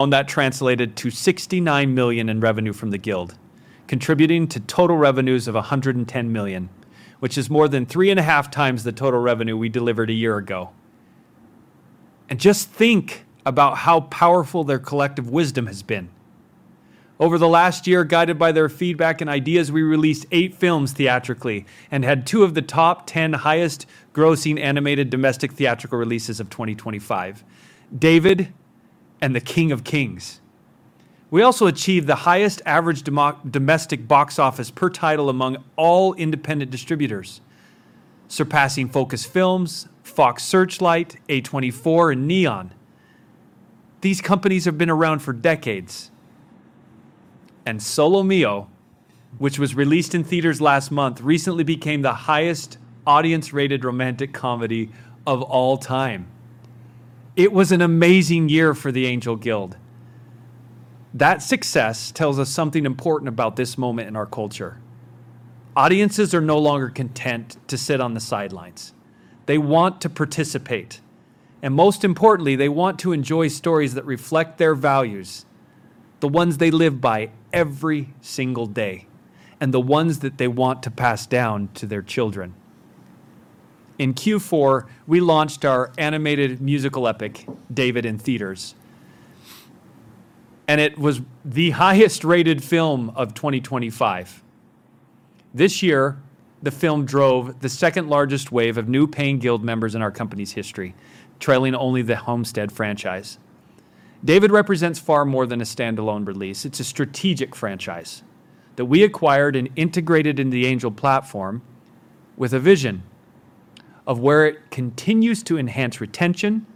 On that translated to $69 million in revenue from the Guild, contributing to total revenues of $110 million, which is more than 3.5 times the total revenue we delivered a year ago. Just think about how powerful their collective wisdom has been. Over the last year, guided by their feedback and ideas, we released eight films theatrically and had two of the top 10 highest grossing animated domestic theatrical releases of 2025, David and The King of Kings. We also achieved the highest average domestic box office per title among all independent distributors, surpassing Focus Features, Searchlight Pictures, A24 and Neon. These companies have been around for decades. Solo Mio, which was released in theaters last month, recently became the highest audience-rated romantic comedy of all time. It was an amazing year for the Angel Guild. That success tells us something important about this moment in our culture. Audiences are no longer content to sit on the sidelines. They want to participate. Most importantly, they want to enjoy stories that reflect their values, the ones they live by every single day, and the ones that they want to pass down to their children. In Q4, we launched our animated musical epic, David, in theaters. It was the highest rated film of 2025. This year, the film drove the second largest wave of new paying Guild members in our company's history, trailing only the Homestead franchise. David represents far more than a standalone release. It's a strategic franchise that we acquired and integrated in the Angel platform with a vision of where it continues to enhance retention,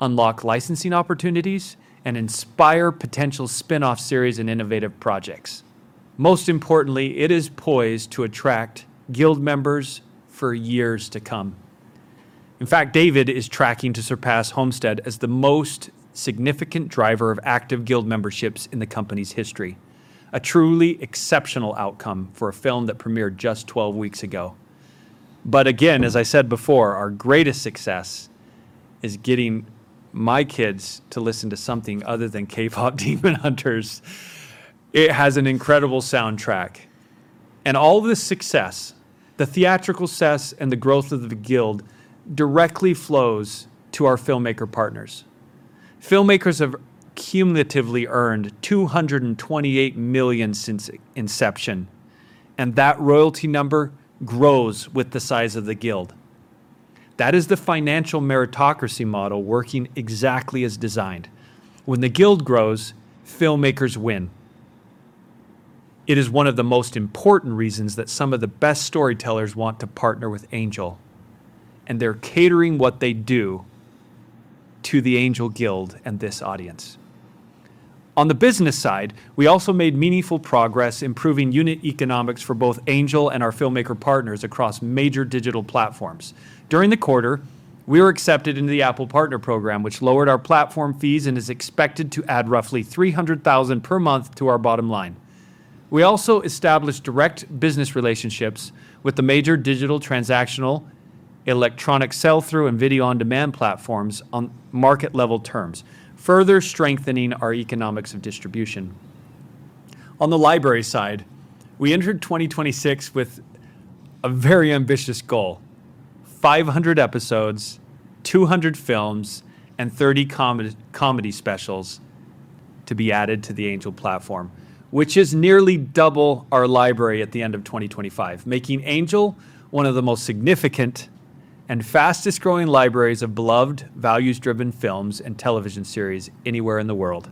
unlock licensing opportunities, and inspire potential spin-off series and innovative projects. Most importantly, it is poised to attract Guild members for years to come. In fact, David is tracking to surpass Homestead as the most significant driver of active Guild memberships in the company's history. A truly exceptional outcome for a film that premiered just 12 weeks ago. Again, as I said before, our greatest success is getting my kids to listen to something other than K-Pop Demon Hunters. It has an incredible soundtrack. All this success, the theatrical success and the growth of the Guild directly flows to our filmmaker partners. Filmmakers have cumulatively earned $228 million since inception, and that royalty number grows with the size of the Guild. That is the financial meritocracy model working exactly as designed. When the Guild grows, filmmakers win. It is one of the most important reasons that some of the best storytellers want to partner with Angel, and they're catering what they do to the Angel Guild and this audience. On the business side, we also made meaningful progress improving unit economics for both Angel and our filmmaker partners across major digital platforms. During the quarter, we were accepted into the Apple Partner Network, which lowered our platform fees and is expected to add roughly $300,000 per month to our bottom line. We also established direct business relationships with the major digital transactional electronic sell-through and video-on-demand platforms on market level terms, further strengthening our economics of distribution. On the library side, we entered 2026 with a very ambitious goal. 500 episodes, 200 films, and 30 comedy specials to be added to the Angel platform, which is nearly double our library at the end of 2025, making Angel one of the most significant and fastest growing libraries of beloved values-driven films and television series anywhere in the world.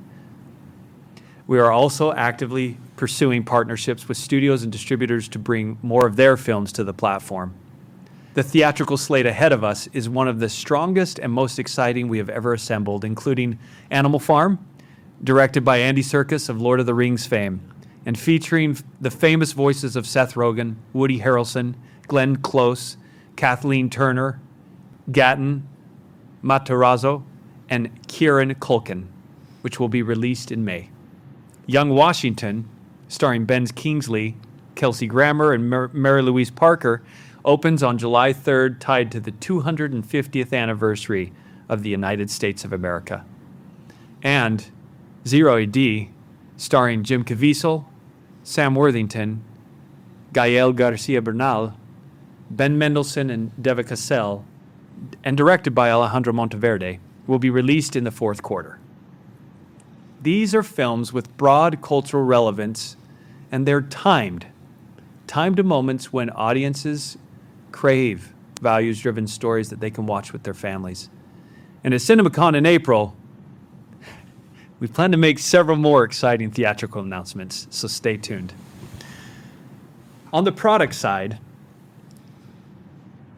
We are also actively pursuing partnerships with studios and distributors to bring more of their films to the platform. The theatrical slate ahead of us is one of the strongest and most exciting we have ever assembled, including Animal Farm, directed by Andy Serkis of Lord of the Rings fame, and featuring the famous voices of Seth Rogen, Woody Harrelson, Glenn Close, Kathleen Turner, Gaten Matarazzo, and Kieran Culkin, which will be released in May. Young Washington, starring Ben Kingsley, Kelsey Grammer, and Mary-Louise Parker, opens on July 3rd, tied to the 250th anniversary of the United States of America. Zero A.D., starring Jim Caviezel, Sam Worthington, Gael García Bernal, Ben Mendelsohn, and Devika Bhise, and directed by Alejandro Monteverde, will be released in the fourth quarter. These are films with broad cultural relevance, and they're timed to moments when audiences crave values-driven stories that they can watch with their families. At CinemaCon in April, we plan to make several more exciting theatrical announcements. Stay tuned. On the product side,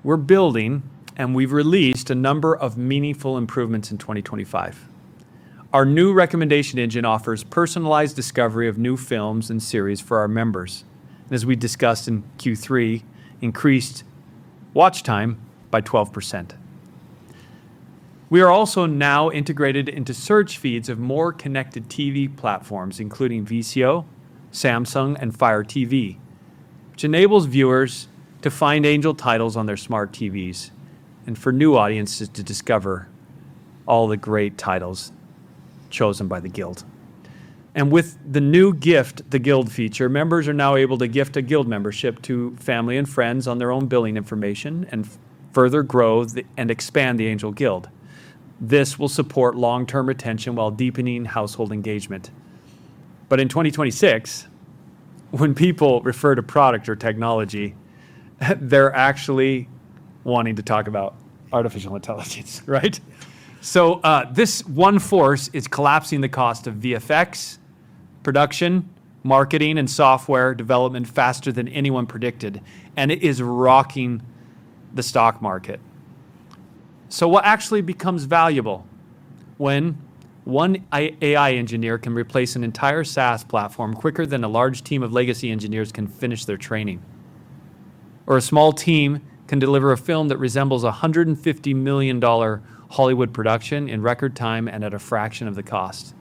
we're building and we've released a number of meaningful improvements in 2025. Our new recommendation engine offers personalized discovery of new films and series for our members. As we discussed in Q3, increased watch time by 12%. We are also now integrated into search feeds of more connected TV platforms, including VIZIO, Samsung, and Fire TV, which enables viewers to find Angel titles on their smart TVs and for new audiences to discover all the great titles chosen by the Guild. With the new Gift the Guild feature, members are now able to gift a Guild membership to family and friends on their own billing information and further grow and expand the Angel Guild. This will support long-term retention while deepening household engagement. In 2026, when people refer to product or technology, they're actually wanting to talk about artificial intelligence, right? This one force is collapsing the cost of VFX, production, marketing, and software development faster than anyone predicted, and it is rocking the stock market. What actually becomes valuable when one AI engineer can replace an entire SaaS platform quicker than a large team of legacy engineers can finish their training? A small team can deliver a film that resembles a $150 million Hollywood production in record time and at a fraction of the cost.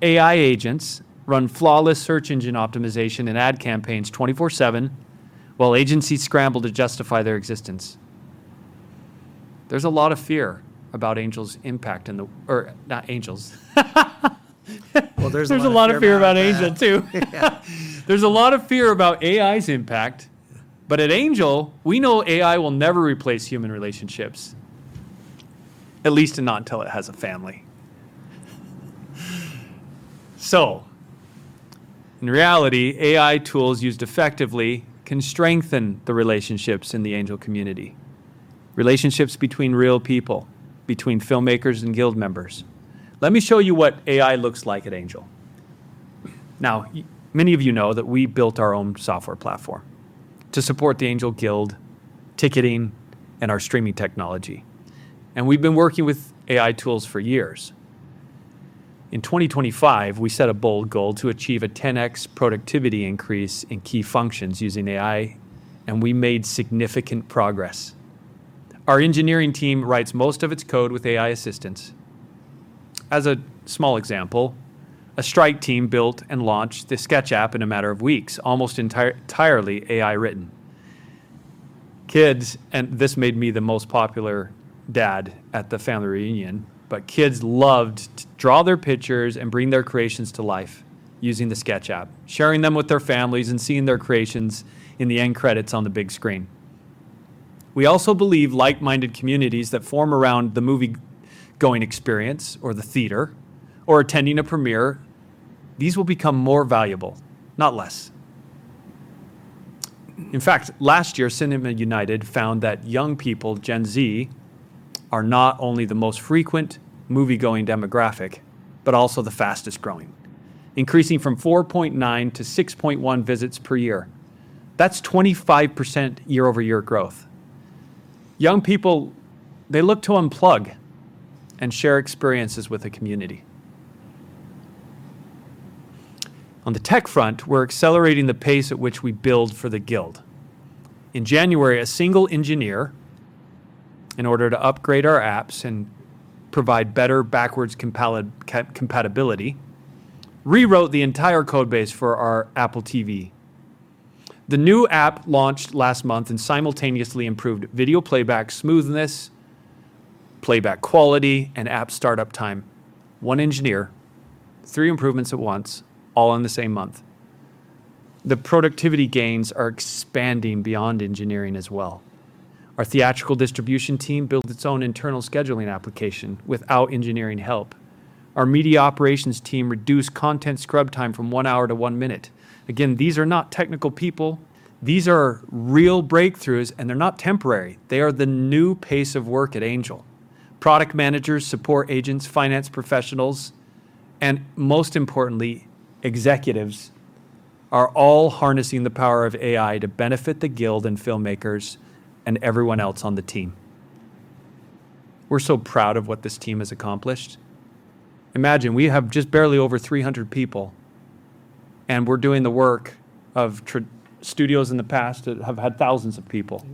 AI agents run flawless search engine optimization and ad campaigns 24/7 while agencies scramble to justify their existence. There's a lot of fear about Angel's impact in the... There's a lot of fear about that. There's a lot of fear about Angel too. Yeah. There's a lot of fear about AI's impact. At Angel, we know AI will never replace human relationships, at least not until it has a family. In reality, AI tools used effectively can strengthen the relationships in the Angel community, relationships between real people, between filmmakers and Guild members. Let me show you what AI looks like at Angel. Now, many of you know that we built our own software platform to support the Angel Guild ticketing and our streaming technology, and we've been working with AI tools for years. In 2025, we set a bold goal to achieve a 10x productivity increase in key functions using AI, and we made significant progress. Our engineering team writes most of its code with AI assistance. As a small example, a strike team built and launched the Sketch app in a matter of weeks, almost entirely AI written. Kids, this made me the most popular dad at the family reunion, but kids loved to draw their pictures and bring their creations to life using the Sketch app, sharing them with their families and seeing their creations in the end credits on the big screen. We also believe like-minded communities that form around the moviegoing experience or the theater or attending a premiere, these will become more valuable, not less. In fact, last year, Cinema United found that young people, Gen Z, are not only the most frequent moviegoing demographic but also the fastest-growing, increasing from four point nine to six point one visits per year. That's 25% year-over-year growth. Young people, they look to unplug and share experiences with a community. On the tech front, we're accelerating the pace at which we build for the Guild. In January, a single engineer, in order to upgrade our apps and provide better backwards compatibility, rewrote the entire code base for our Apple TV. The new app launched last month and simultaneously improved video playback smoothness, playback quality, and app startup time. One engineer, three improvements at once, all in the same month. The productivity gains are expanding beyond engineering as well. Our theatrical distribution team built its own internal scheduling application without engineering help. Our media operations team reduced content scrub time from one hour to one minute. Again, these are not technical people. These are real breakthroughs, and they're not temporary. They are the new pace of work at Angel. Product managers, support agents, finance professionals, and most importantly, executives are all harnessing the power of AI to benefit the Guild and filmmakers and everyone else on the team. We're so proud of what this team has accomplished. Imagine, we have just barely over 300 people, and we're doing the work of studios in the past that have had thousands of people.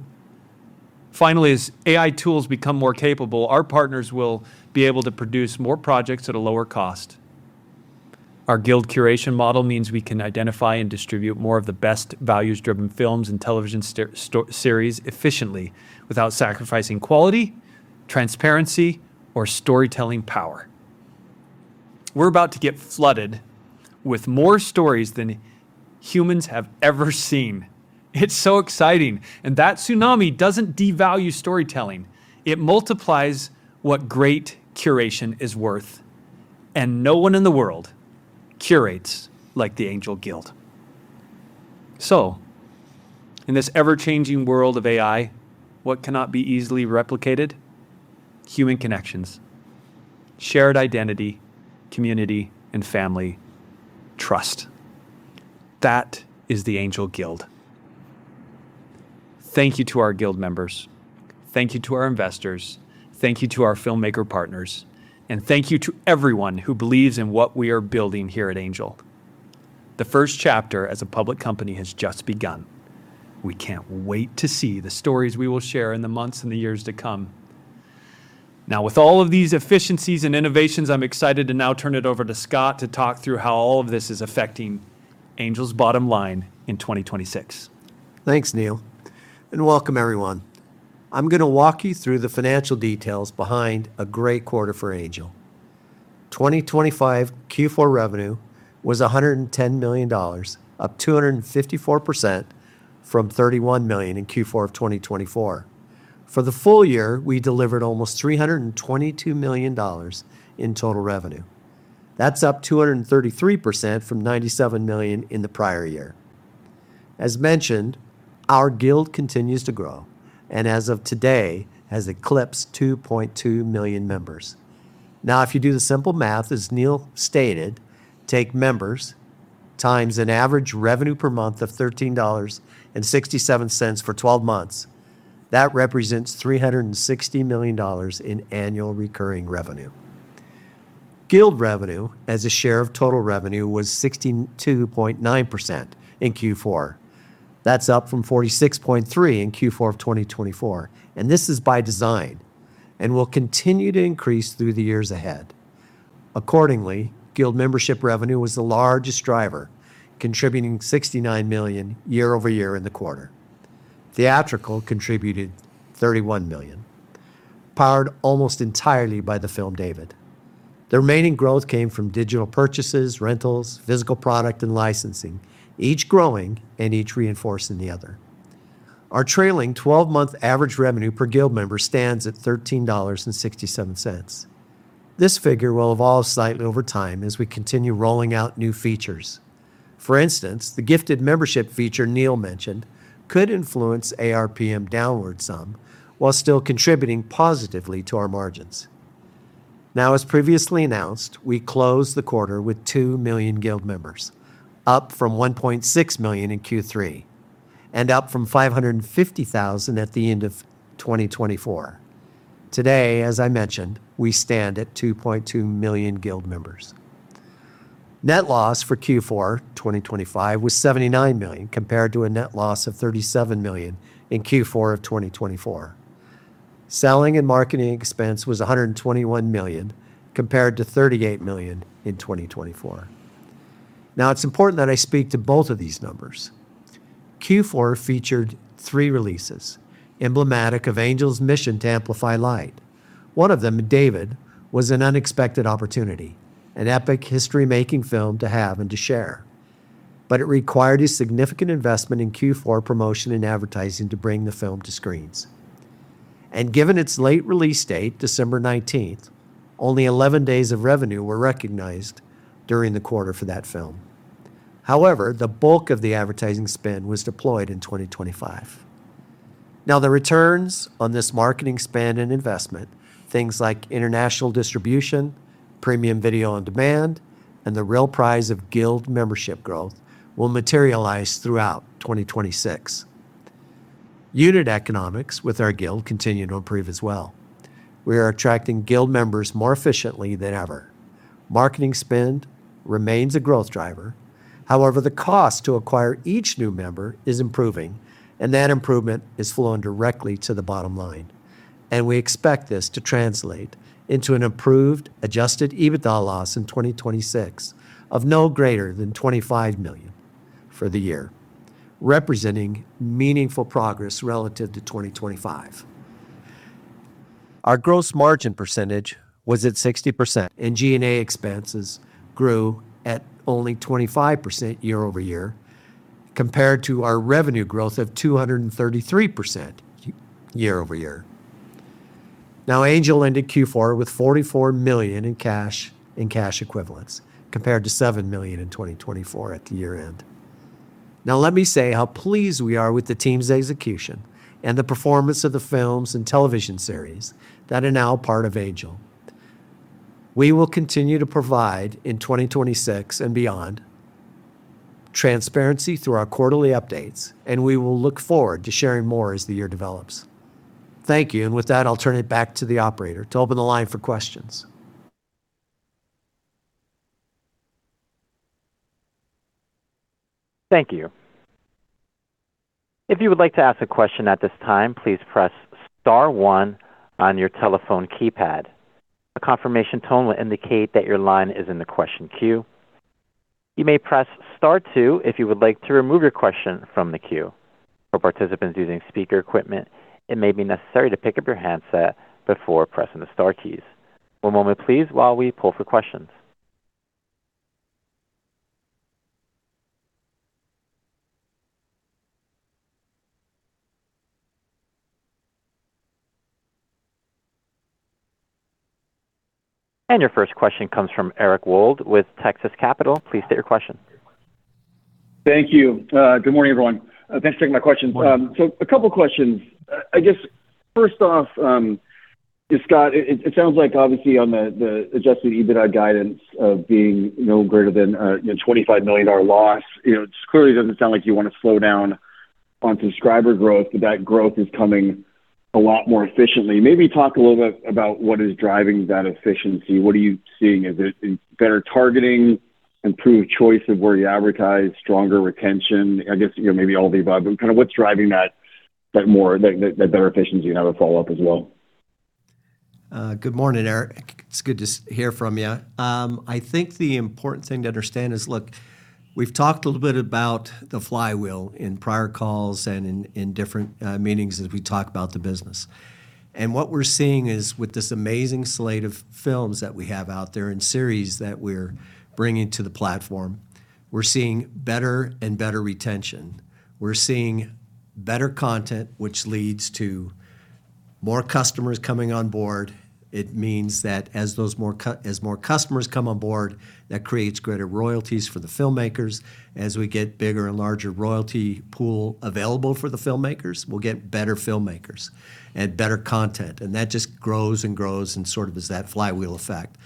Finally, as AI tools become more capable, our partners will be able to produce more projects at a lower cost. Our Guild curation model means we can identify and distribute more of the best values-driven films and television series efficiently without sacrificing quality, transparency, or storytelling power. We're about to get flooded with more stories than humans have ever seen. It's so exciting. That tsunami doesn't devalue storytelling. It multiplies what great curation is worth, and no one in the world curates like the Angel Guild. In this ever-changing world of AI, what cannot be easily replicated? Human connections, shared identity, community, and family, trust. That is the Angel Guild. Thank you to our Guild members. Thank you to our investors. Thank you to our filmmaker partners. Thank you to everyone who believes in what we are building here at Angel. The first chapter as a public company has just begun. We can't wait to see the stories we will share in the months and the years to come. Now, with all of these efficiencies and innovations, I'm excited to now turn it over to Scott to talk through how all of this is affecting Angel's bottom line in 2026. Thanks, Neal, and welcome everyone. I'm going to walk you through the financial details behind a great quarter for Angel. 2025 Q4 revenue was $110 million, up 254% from $31 million in Q4 of 2024. For the full year, we delivered almost $322 million in total revenue. That's up 233% from $97 million in the prior year. As mentioned, our Guild continues to grow and as of today, has eclipsed 2.2 million members. Now, if you do the simple math, as Neal stated, take members times an average revenue per month of $13.67 for 12 months, that represents $360 million in annual recurring revenue. Guild revenue as a share of total revenue was 62.9% in Q4. That's up from 46.3% in Q4 of 2024, and this is by design and will continue to increase through the years ahead. Accordingly, Guild membership revenue was the largest driver, contributing $69 million year-over-year in the quarter. Theatrical contributed $31 million, powered almost entirely by the film David. The remaining growth came from digital purchases, rentals, physical product, and licensing, each growing and each reinforcing the other. Our trailing 12-month average revenue per Guild member stands at $13.67. This figure will evolve slightly over time as we continue rolling out new features. For instance, the gifted membership feature Neal mentioned could influence ARPM downward some while still contributing positively to our margins. Now, as previously announced, we closed the quarter with 2 million Guild members, up from 1.6 million in Q3 and up from 550,000 at the end of 2024. Today, as I mentioned, we stand at 2.2 million Guild members. Net loss for Q4 2025 was $79 million compared to a net loss of $37 million in Q4 of 2024. Selling and marketing expense was $121 million compared to $38 million in 2024. Now, it's important that I speak to both of these numbers. Q4 featured three releases emblematic of Angel's mission to amplify light. One of them, David, was an unexpected opportunity, an epic history-making film to have and to share, but it required a significant investment in Q4 promotion and advertising to bring the film to screens. Given its late release date, December nineteenth, only 11 days of revenue were recognized during the quarter for that film. However, the bulk of the advertising spend was deployed in 2025. Now, the returns on this marketing spend and investment, things like international distribution, premium video on demand, and the real prize of Guild membership growth will materialize throughout 2026. Unit economics with our Guild continue to improve as well. We are attracting Guild members more efficiently than ever. Marketing spend remains a growth driver. However, the cost to acquire each new member is improving, and that improvement is flowing directly to the bottom line, and we expect this to translate into an improved adjusted EBITDA loss in 2026 of no greater than $25 million for the year, representing meaningful progress relative to 2025. Our gross margin percentage was at 60% and G&A expenses grew at only 25% year-over-year compared to our revenue growth of 233% year-over-year. Now, Angel ended Q4 with $44 million in cash, in cash equivalents compared to $7 million in 2024 at the year-end. Now, let me say how pleased we are with the team's execution and the performance of the films and television series that are now part of Angel. We will continue to provide in 2026 and beyond transparency through our quarterly updates, and we will look forward to sharing more as the year develops. Thank you. With that, I'll turn it back to the operator to open the line for questions. Thank you. If you would like to ask a question at this time, please press star one on your telephone keypad. A confirmation tone will indicate that your line is in the question queue. You may press star two if you would like to remove your question from the queue. For participants using speaker equipment, it may be necessary to pick up your handset before pressing the star keys. One moment, please, while we pull for questions. Your first question comes from Eric Wold with Texas Capital. Please state your question. Thank you. Good morning, everyone. Thanks for taking my questions. Morning. A couple questions. I guess first off, just Scott, it sounds like obviously on the adjusted EBITDA guidance of being no greater than $25 million loss, you know, it just clearly doesn't sound like you want to slow down on subscriber growth, but that growth is coming a lot more efficiently. Maybe talk a little bit about what is driving that efficiency. What are you seeing? Is it in better targeting, improved choice of where you advertise, stronger retention, I guess, you know, maybe all the above, but kind of what's driving that better efficiency and have a follow-up as well. Good morning, Eric. It's good to hear from you. I think the important thing to understand is, look, we've talked a little bit about the flywheel in prior calls and in different meetings as we talk about the business. What we're seeing is with this amazing slate of films that we have out there and series that we're bringing to the platform, we're seeing better and better retention. We're seeing better content, which leads to more customers coming on board. It means that as more customers come on board, that creates greater royalties for the filmmakers. As we get bigger and larger royalty pool available for the filmmakers, we'll get better filmmakers and better content, and that just grows and grows and sort of is that flywheel effect.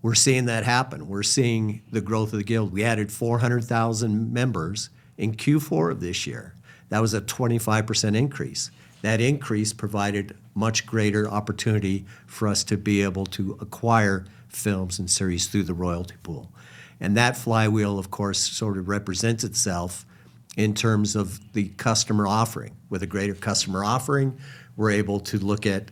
We're seeing that happen. We're seeing the growth of the Guild. We added 400,000 members in Q4 of this year. That was a 25% increase. That increase provided much greater opportunity for us to be able to acquire films and series through the royalty pool. That flywheel, of course, sort of represents itself in terms of the customer offering. With a greater customer offering, we're able to look at,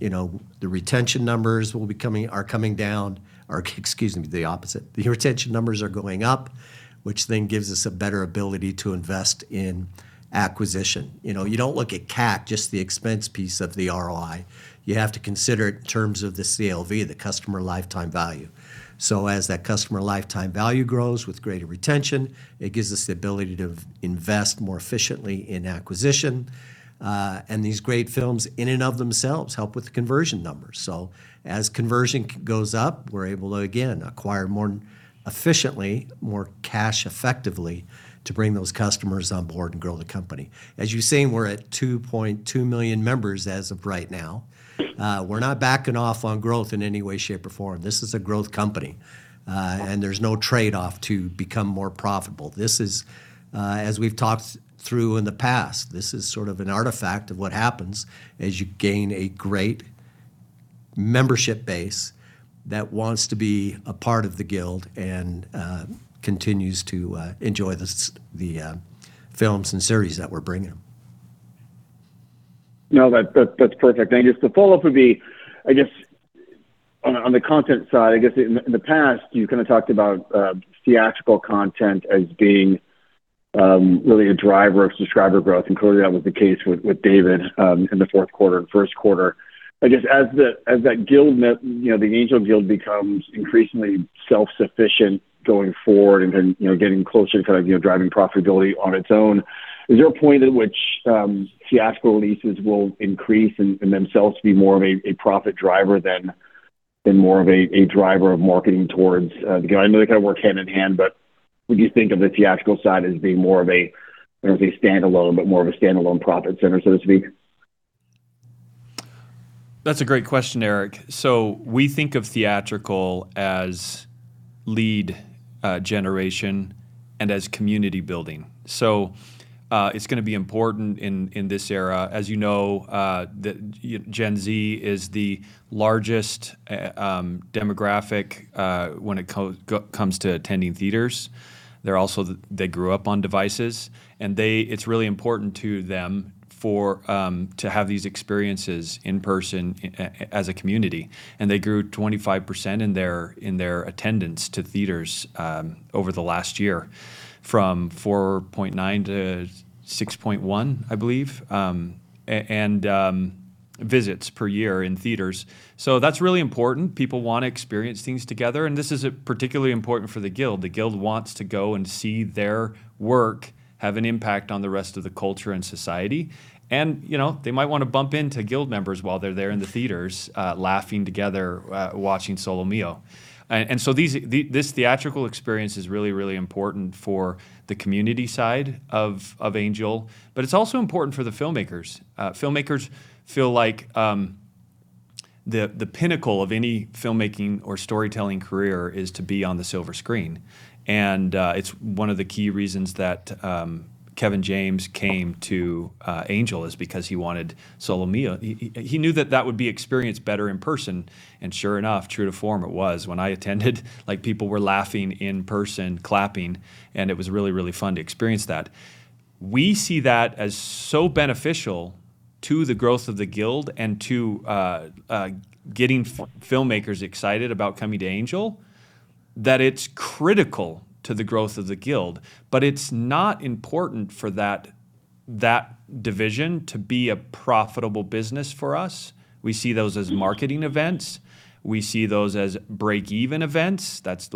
you know, the retention numbers are coming down. Or excuse me, the opposite. The retention numbers are going up, which then gives us a better ability to invest in acquisition. You know, you don't look at CAC, just the expense piece of the ROI. You have to consider it in terms of the CLV, the customer lifetime value. As that customer lifetime value grows with greater retention, it gives us the ability to invest more efficiently in acquisition. These great films in and of themselves help with the conversion numbers. As conversion goes up, we're able to again acquire more efficiently, more cost effectively to bring those customers on board and grow the company. As you've seen, we're at 2.2 million members as of right now. We're not backing off on growth in any way, shape, or form. This is a growth company, and there's no trade-off to become more profitable. This is, as we've talked through in the past, this is sort of an artifact of what happens as you gain a great membership base that wants to be a part of the Guild and continues to enjoy the films and series that we're bringing. No, that's perfect. Thank you. Follow-up would be, I guess on the content side, I guess in the past you kind of talked about theatrical content as being really a driver of subscriber growth, and clearly that was the case with David in the fourth quarter and first quarter. I guess as the Angel Guild becomes increasingly self-sufficient going forward and, you know, getting closer to kind of, you know, driving profitability on its own, is there a point at which theatrical releases will increase and themselves be more of a profit driver than more of a driver of marketing towards the goal? I know they kind of work hand in hand, but would you think of the theatrical side as being more of a, you know, as a standalone, but more of a standalone profit center, so to speak? That's a great question, Eric. We think of theatrical as lead generation and as community building. It's going to be important in this era. As you know, the Gen Z is the largest demographic when it comes to attending theaters. They're also they grew up on devices, and it's really important to them to have these experiences in person as a community. They grew 25% in their attendance to theaters over the last year from four point nine to six point one, I believe, and visits per year in theaters. That's really important. People want to experience things together, and this is particularly important for the Guild. The Guild wants to go and see their work have an impact on the rest of the culture and society. You know, they might want to bump into Guild members while they're there in the theaters, laughing together, watching Solo Mio. This theatrical experience is really, really important for the community side of Angel, but it's also important for the filmmakers. Filmmakers feel like the pinnacle of any filmmaking or storytelling career is to be on the silver screen. It's one of the key reasons that Kevin James came to Angel, is because he wanted Solo Mio. He knew that would be experienced better in person. Sure enough, true to form, it was. When I attended, like people were laughing in person, clapping, and it was really, really fun to experience that. We see that as so beneficial to the growth of the Guild and to getting filmmakers excited about coming to Angel that it's critical to the growth of the Guild, but it's not important for that division to be a profitable business for us. We see those as marketing events. We see those as break-even events. That's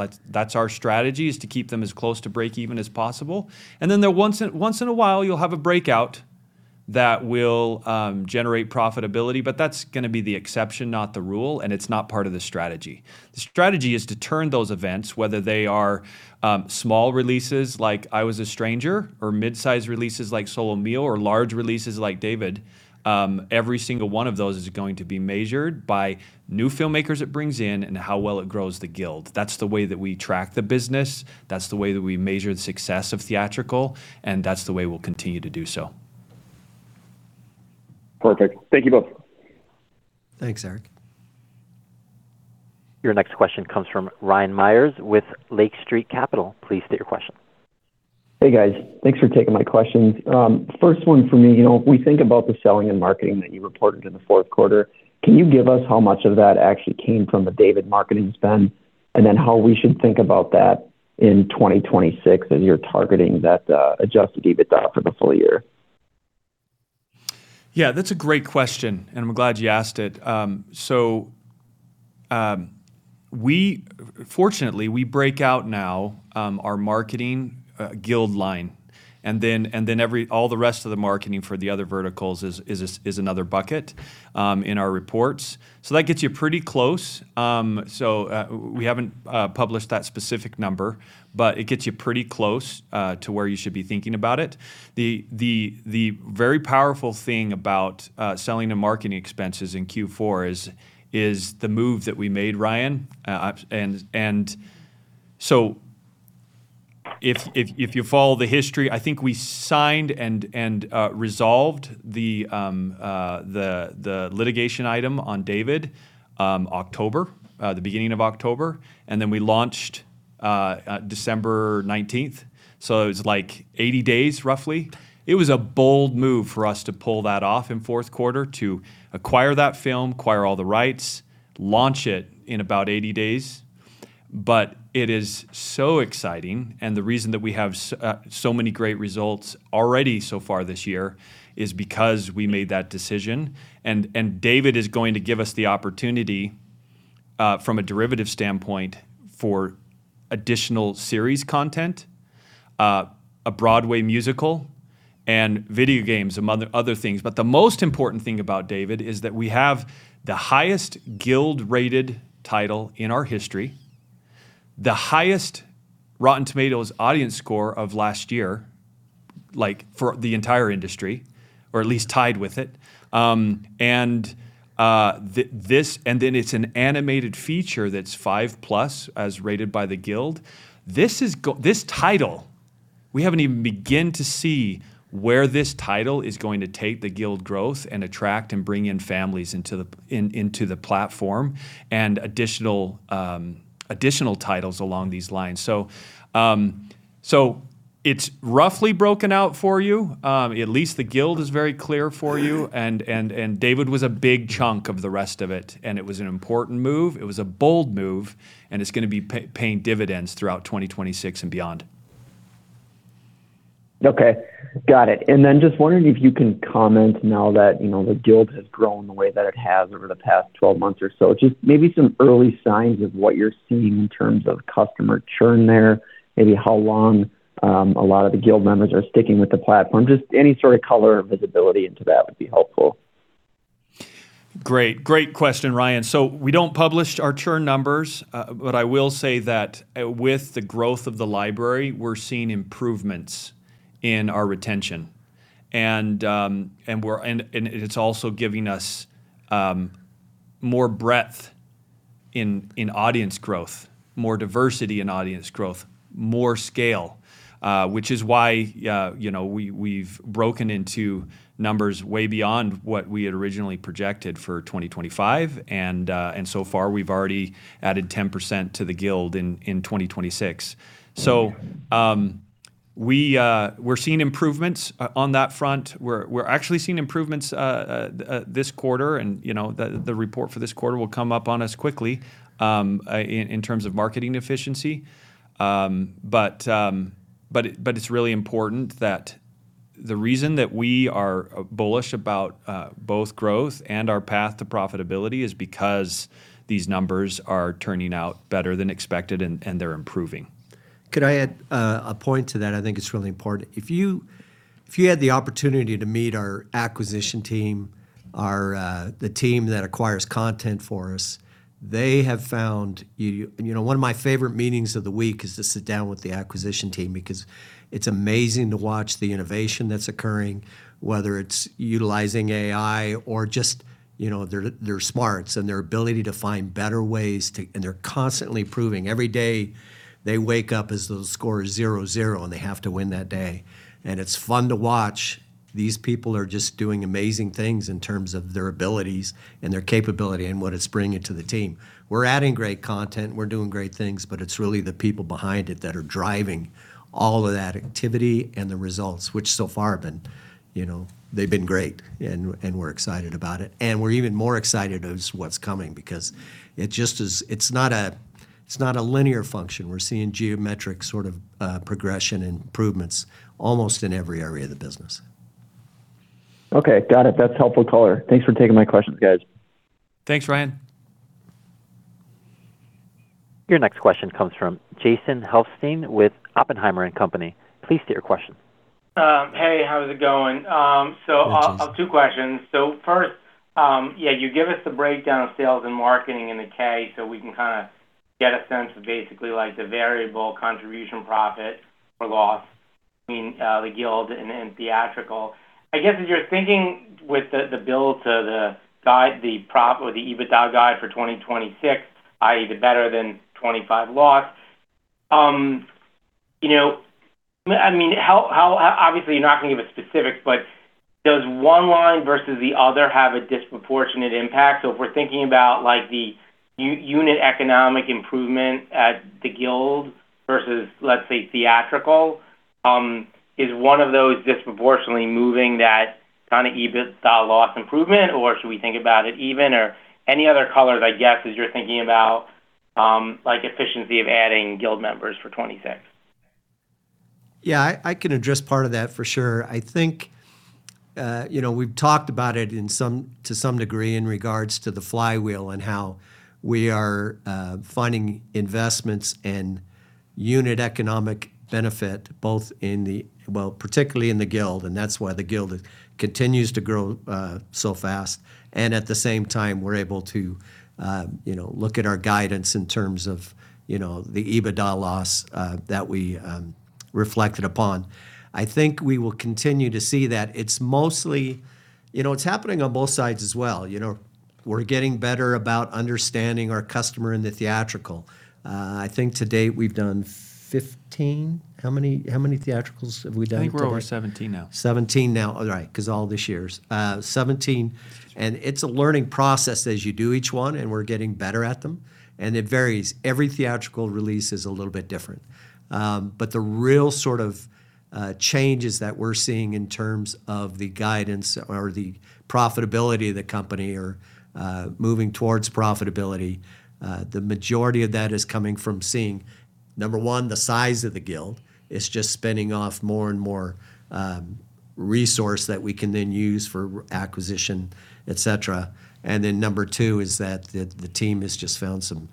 our strategy, is to keep them as close to break even as possible. Then once in a while, you'll have a breakout that will generate profitability, but that's going to be the exception, not the rule, and it's not part of the strategy. The strategy is to turn those events, whether they are small releases like I Was a Stranger or mid-size releases like Solo Mio or large releases like David, every single one of those is going to be measured by new filmmakers it brings in and how well it grows the Guild. That's the way that we track the business, that's the way that we measure the success of theatrical, and that's the way we'll continue to do so. Perfect. Thank you both. Thanks, Eric. Your next question comes from Ryan Meyers with Lake Street Capital Markets. Please state your question. Hey, guys. Thanks for taking my questions. First one for me. You know, we think about the selling and marketing that you reported in the fourth quarter. Can you give us how much of that actually came from the David marketing spend, and then how we should think about that in 2026 as you're targeting that adjusted EBITDA for the full year? Yeah, that's a great question, and I'm glad you asked it. We fortunately break out now our marketing Guild line, and then all the rest of the marketing for the other verticals is another bucket in our reports. That gets you pretty close. We haven't published that specific number, but it gets you pretty close to where you should be thinking about it. The very powerful thing about selling and marketing expenses in Q4 is the move that we made, Ryan, and so if you follow the history, I think we signed and resolved the litigation item on David, October, the beginning of October, and then we launched December 19. It was like 80 days roughly. It was a bold move for us to pull that off in fourth quarter to acquire that film, acquire all the rights, launch it in about 80 days. It is so exciting, and the reason that we have so many great results already so far this year is because we made that decision. David is going to give us the opportunity, from a derivative standpoint for additional series content, a Broadway musical, and video games, among other things. The most important thing about David is that we have the highest Guild-rated title in our history, the highest Rotten Tomatoes audience score of last year, like for the entire industry, or at least tied with it, and then it's an animated feature that's 5+ as rated by the Guild. This title, we haven't even begun to see where this title is going to take the Guild growth and attract and bring in families into the platform and additional titles along these lines. It's roughly broken out for you. At least the Guild is very clear for you and David was a big chunk of the rest of it, and it was an important move, it was a bold move, and it's going to be paying dividends throughout 2026 and beyond. Okay. Got it. Just wondering if you can comment now that, you know, the Guild has grown the way that it has over the past 12 months or so. Just maybe some early signs of what you're seeing in terms of customer churn there, maybe how long a lot of the Guild members are sticking with the platform. Just any sort of color or visibility into that would be helpful. Great. Great question, Ryan. We don't publish our churn numbers, but I will say that, with the growth of the library, we're seeing improvements in our retention. It's also giving us more breadth in audience growth, more diversity in audience growth, more scale, which is why, you know, we've broken into numbers way beyond what we had originally projected for 2025, and so far we've already added 10% to the Guild in 2026. We're seeing improvements on that front. We're actually seeing improvements this quarter, and you know, the report for this quarter will come up on us quickly, in terms of marketing efficiency. It's really important that the reason that we are bullish about both growth and our path to profitability is because these numbers are turning out better than expected and they're improving. Could I add a point to that? I think it's really important. If you had the opportunity to meet our acquisition team, the team that acquires content for us, they have found. You know, one of my favorite meetings of the week is to sit down with the acquisition team because it's amazing to watch the innovation that's occurring, whether it's utilizing AI or just, you know, their smarts and their ability to find better ways to. They're constantly improving. Every day they wake up as the score is 0-0, and they have to win that day. It's fun to watch. These people are just doing amazing things in terms of their abilities and their capability and what it's bringing to the team. We're adding great content, we're doing great things, but it's really the people behind it that are driving all of that activity and the results, which so far have been, you know, they've been great, and we're excited about it. We're even more excited about what's coming because it's not a linear function. We're seeing geometric sort of progression improvements almost in every area of the business. Okay. Got it. That's helpful color. Thanks for taking my questions, guys. Thanks, Ryan. Your next question comes from Jason Helfstein with Oppenheimer & Company. Please state your question. Hey, how's it going? Hi, Jason. I'll have two questions. First, yeah, you give us the breakdown of sales and marketing in the 10-K, so we can kind of get a sense of basically like the variable contribution profit or loss between the Guild and theatrical. I guess as you're thinking with the build to the guide, the EBITDA guide for 2026, i.e., the better than 2025 loss. You know, I mean, how obviously you're not going to give us specifics, but does one line versus the other have a disproportionate impact? If we're thinking about like the unit economic improvement at the Guild versus, let's say, theatrical, is one of those disproportionately moving that kind of EBITDA loss improvement, or should we think about it even? any other color that I guess as you're thinking about, like efficiency of adding Guild members for 2026. Yeah. I can address part of that for sure. I think, you know, we've talked about it to some degree in regards to the flywheel and how we are finding investments and unit economic benefit, particularly in the Guild, and that's why the Guild continues to grow so fast. At the same time, we're able to, you know, look at our guidance in terms of, you know, the EBITDA loss that we reflected upon. I think we will continue to see that it's mostly. You know, it's happening on both sides as well. You know, we're getting better about understanding our customer in the theatrical. I think to date we've done 15. How many theatricals have we done to date? I think we're over 17 now. 17 now. Right. Because all this year's. 17, and it's a learning process as you do each one, and we're getting better at them. It varies. Every theatrical release is a little bit different. The real sort of changes that we're seeing in terms of the guidance or the profitability of the company are moving towards profitability. The majority of that is coming from seeing, number one, the size of the Guild. It's just spinning off more and more resource that we can then use for acquisition, et cetera. Number two is that the team has just found some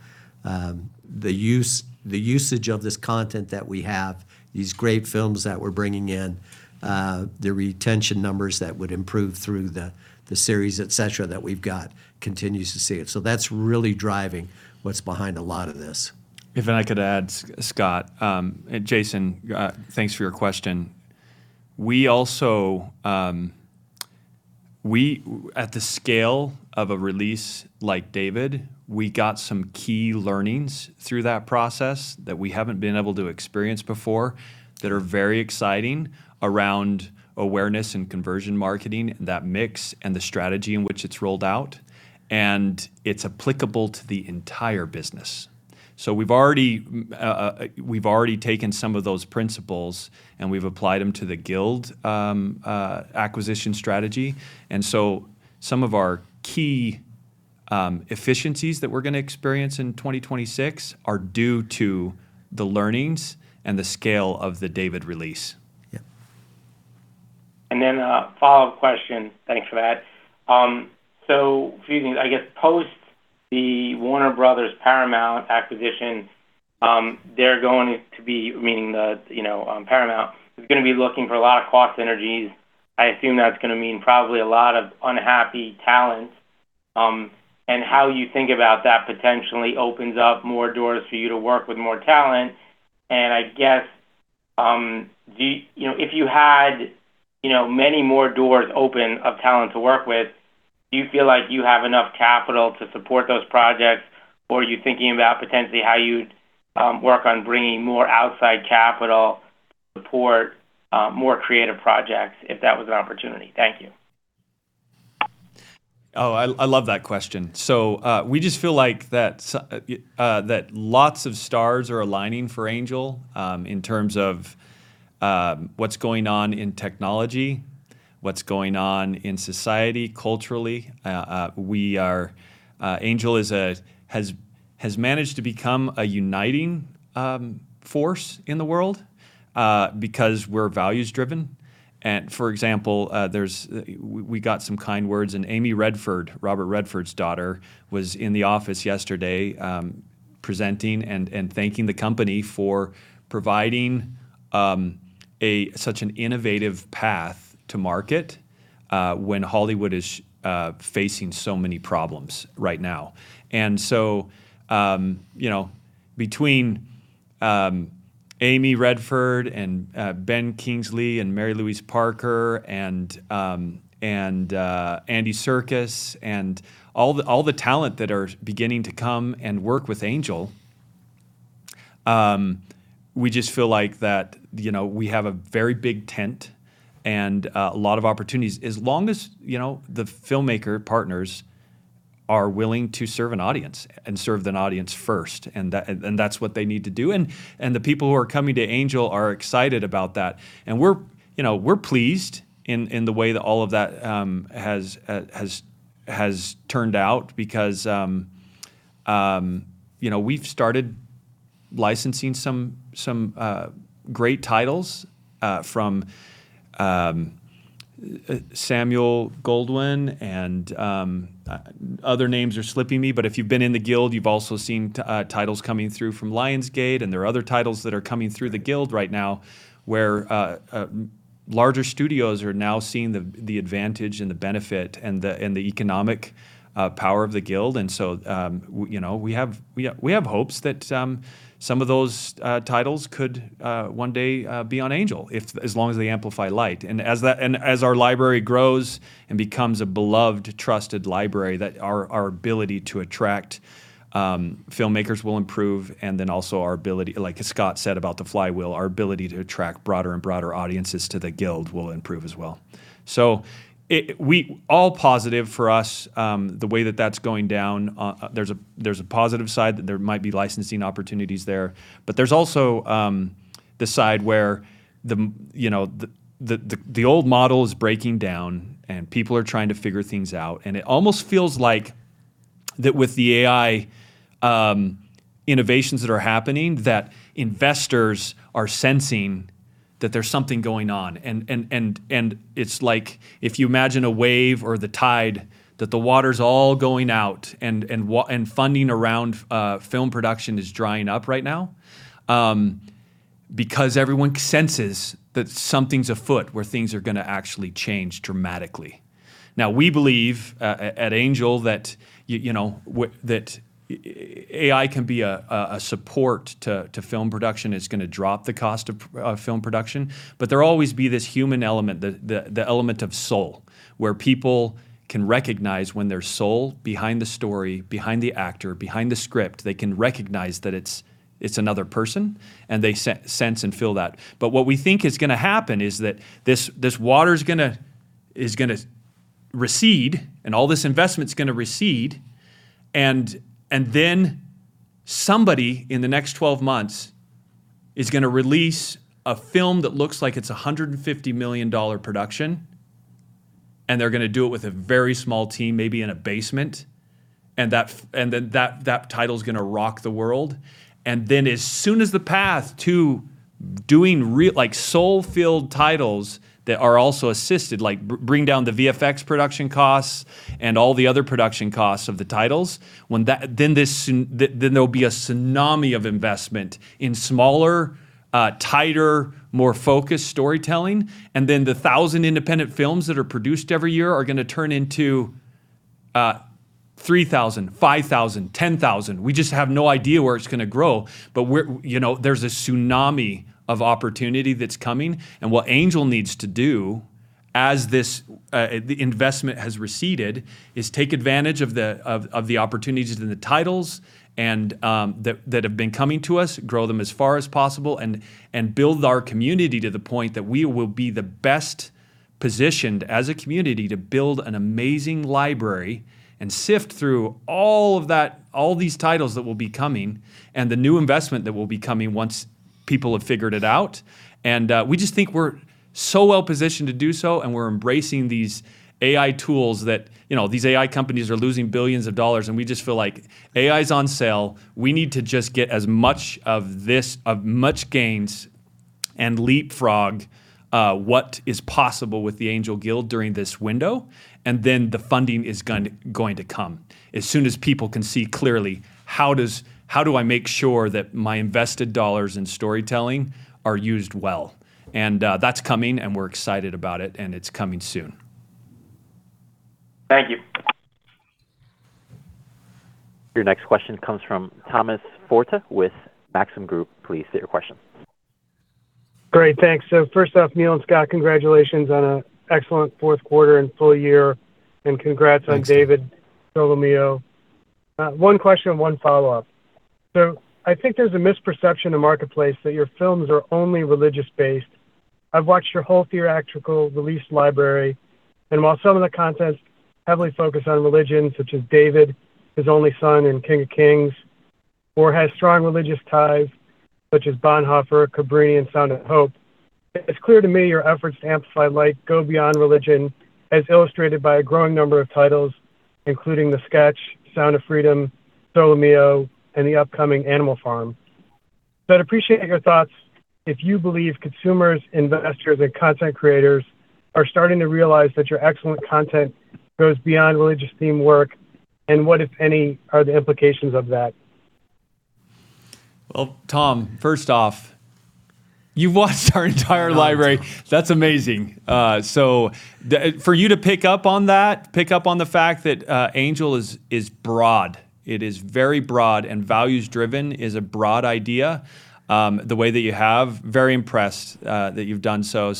usage of this content that we have, these great films that we're bringing in, the retention numbers that would improve through the series, et cetera, that we've got continues to see it. That's really driving what's behind a lot of this. If I could add, Scott and Jason, thanks for your question. We also at the scale of a release like David, we got some key learnings through that process that we haven't been able to experience before that are very exciting around awareness and conversion marketing, that mix, and the strategy in which it's rolled out, and it's applicable to the entire business. We've already taken some of those principles, and we've applied them to the Guild acquisition strategy. Some of our key efficiencies that we're going to experience in 2026 are due to the learnings and the scale of the David release. Yeah. A follow-up question. Thanks for that. A few things. I guess post the Warner Bros. Discovery Paramount acquisition, they're going to be meaning the, you know, Paramount, is going to be looking for a lot of cost synergies. I assume that's going to mean probably a lot of unhappy talent, and how you think about that potentially opens up more doors for you to work with more talent. I guess, do you You know, if you had, you know, many more doors open of talent to work with, do you feel like you have enough capital to support those projects, or are you thinking about potentially how you'd work on bringing more outside capital support, more creative projects if that was an opportunity? Thank you. I love that question. We just feel like that lots of stars are aligning for Angel, in terms of what's going on in technology, what's going on in society culturally. Angel has managed to become a uniting force in the world, because we're values-driven. For example, we got some kind words, and Amy Redford, Robert Redford's daughter, was in the office yesterday, presenting and thanking the company for providing such an innovative path to market, when Hollywood is facing so many problems right now. You know, between Amy Redford, and Ben Kingsley, and Mary-Louise Parker, and Andy Serkis, and all the talent that are beginning to come and work with Angel, we just feel like that, you know, we have a very big tent and a lot of opportunities as long as, you know, the filmmaker partners are willing to serve an audience and serve an audience first, and that's what they need to do. The people who are coming to Angel are excited about that. We're, you know, we're pleased in the way that all of that has turned out because, you know, we've started licensing some great titles from Samuel Goldwyn and other names are slipping me. If you've been in the Guild, you've also seen titles coming through from Lionsgate, and there are other titles that are coming through the Guild right now where larger studios are now seeing the advantage and the benefit and the economic power of the Guild. You know, we have hopes that some of those titles could one day be on Angel if, as long as they amplify light. As our library grows and becomes a beloved, trusted library, our ability to attract filmmakers will improve, and then also our ability, like as Scott said about the flywheel, to attract broader and broader audiences to the Guild will improve as well. It's all positive for us, the way that that's going down. There's a positive side that there might be licensing opportunities there. There's also the side where, you know, the old model is breaking down and people are trying to figure things out. It almost feels like that with the AI innovations that are happening, that investors are sensing that there's something going on. It's like if you imagine a wave or the tide, that the water's all going out, and funding around film production is drying up right now, because everyone senses that something's afoot where things are going to actually change dramatically. Now, we believe at Angel that, you know, AI can be a support to film production. It's going to drop the cost of film production, but there'll always be this human element, the element of soul, where people can recognize when there's soul behind the story, behind the actor, behind the script. They can recognize that it's another person, and they sense and feel that. What we think is going to happen is that this water's going to recede and all this investment's going to recede, and then somebody in the next 12 months is going to release a film that looks like it's a $150 million production, and they're going to do it with a very small team, maybe in a basement, and then that title's going to rock the world. As soon as the path to doing real, like soul-filled titles that are also assisted, like bring down the VFX production costs and all the other production costs of the titles, when that then there'll be a tsunami of investment in smaller, tighter, more focused storytelling. The 1,000 independent films that are produced every year are going to turn into, 3,000, 5,000, 10,000. We just have no idea where it's going to grow. We're... You know, there's a tsunami of opportunity that's coming, and what Angel needs to do as the investment has receded is take advantage of the opportunities and the titles that have been coming to us, grow them as far as possible, and build our community to the point that we will be the best positioned as a community to build an amazing library and sift through all of that, all these titles that will be coming and the new investment that will be coming once people have figured it out. We just think we're so well positioned to do so, and we're embracing these AI tools that, you know, these AI companies are losing billions of dollars, and we just feel like AI's on sale. We need to just get as much of this, of much gains and leapfrog what is possible with the Angel Guild during this window, and then the funding is going to come as soon as people can see clearly how do I make sure that my invested dollars in storytelling are used well? That's coming, and we're excited about it, and it's coming soon. Thank you. Your next question comes from Tom Forte with Maxim Group. Please state your question. Great, thanks. First off, Neal and Scott, congratulations on an excellent fourth quarter and full year. Thanks. Congrats on David, Solo Mio. One question, one follow-up. I think there's a misperception in the marketplace that your films are only religious-based. I've watched your whole theatrical release library, and while some of the content heavily focus on religion, such as David, His Only Son, and King of Kings, or has strong religious ties, such as Bonhoeffer, Cabrini, and Sound of Hope, it's clear to me your efforts to amplify light go beyond religion, as illustrated by a growing number of titles, including The Sketch, Sound of Freedom, Solo Mio, and the upcoming Animal Farm. I'd appreciate your thoughts if you believe consumers, investors, and content creators are starting to realize that your excellent content goes beyond religious-themed work, and what, if any, are the implications of that? Well, Tom, first off, you watched our entire library. Wow. That's amazing. For you to pick up on that, pick up on the fact that Angel is broad, it is very broad, and values-driven is a broad idea, the way that you have, very impressed that you've done so.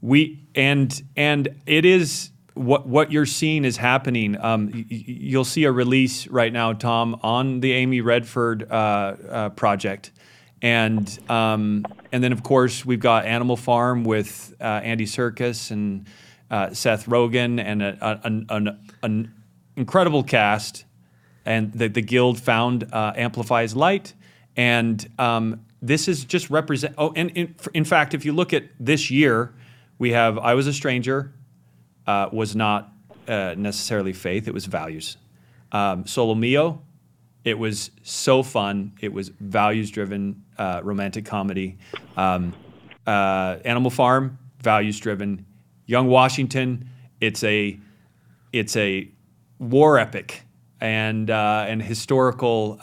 What you're seeing is happening. You'll see a release right now, Tom, on the Amy Redford project. Then of course, we've got Animal Farm with Andy Serkis and Seth Rogen and an incredible cast, and the guild found Amplifies Light. This is just represent. In fact, if you look at this year, we have I Was a Stranger was not necessarily faith, it was values. Solo Mio, it was so fun. It was values-driven, romantic comedy. Animal Farm, values-driven. Young Washington, it's a war epic and an historical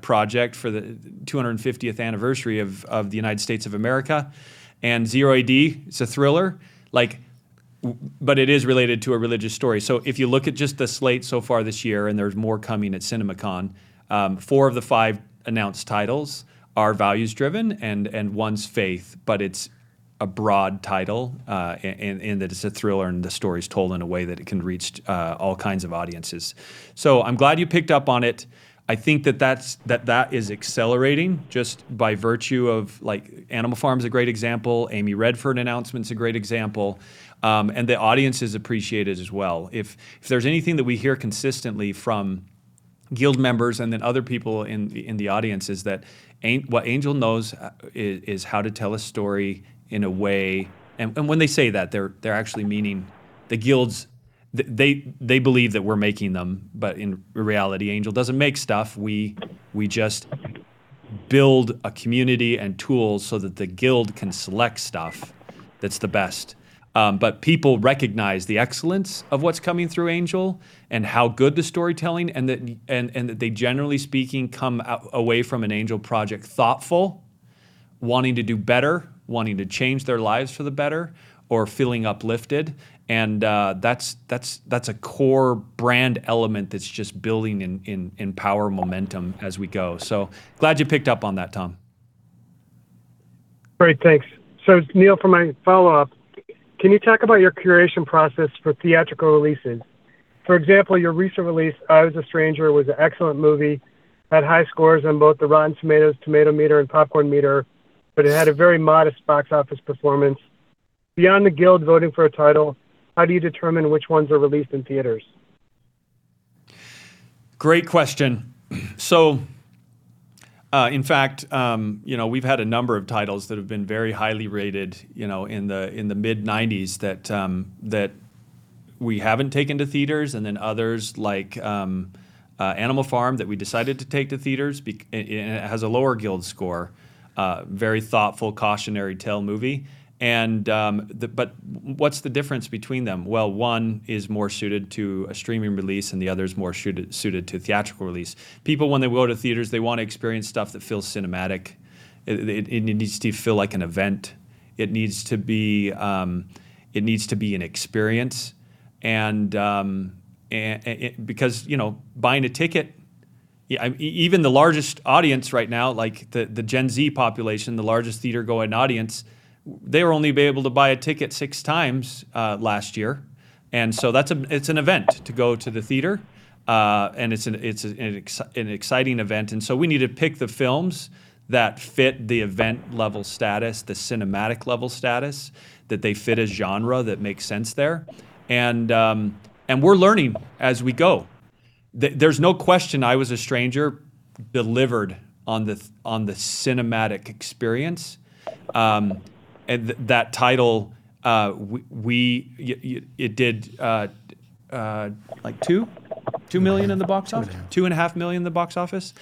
project for the 250th anniversary of the United States of America. Zero A.D., it's a thriller. Like, but it is related to a religious story. If you look at just the slate so far this year, and there's more coming at CinemaCon, four of the five announced titles are values-driven and one's faith, but it's a broad title, in that it's a thriller and the story's told in a way that it can reach all kinds of audiences. I'm glad you picked up on it. I think that that is accelerating just by virtue of, like, Animal Farm is a great example. Amy Redford announcement's a great example. The audience has appreciated as well. If there's anything that we hear consistently from Guild members and then other people in the audience is that what Angel knows is how to tell a story in a way. When they say that, they're actually meaning the guilds. They believe that we're making them, but in reality, Angel doesn't make stuff. We just build a community and tools so that the guild can select stuff that's the best. People recognize the excellence of what's coming through Angel and how good the storytelling and that they, generally speaking, come away from an Angel project thoughtful, wanting to do better, wanting to change their lives for the better or feeling uplifted and that's a core brand element that's just building in power and momentum as we go. Glad you picked up on that, Tom. Great. Thanks. Neal, for my follow-up, can you talk about your curation process for theatrical releases? For example, your recent release, I Was a Stranger, was an excellent movie, had high scores on both the Rotten Tomatoes Tomatometer and Popcornmeter, but it had a very modest box office performance. Beyond the guild voting for a title, how do you determine which ones are released in theaters? Great question. In fact, you know, we've had a number of titles that have been very highly rated, you know, in the mid 1990s that we haven't taken to theaters and then others like Animal Farm that we decided to take to theaters and it has a lower Guild score, very thoughtful, cautionary tale movie. What's the difference between them? Well, one is more suited to a streaming release, and the other is more suited to theatrical release. People, when they go to theaters, they want to experience stuff that feels cinematic. It needs to feel like an event. It needs to be an experience. Because, you know, buying a ticket, yeah, even the largest audience right now, like the Gen Z population, the largest theater-going audience, they were only able to buy a ticket six times last year, and so that's a. It's an event to go to the theater, and it's an exciting event, and so we need to pick the films that fit the event level status, the cinematic level status, that they fit a genre that makes sense there and we're learning as we go. There's no question I Was a Stranger delivered on the cinematic experience, and that title, we. It did like $2 million in the box office? 2.5. $2 and a half million in the box office.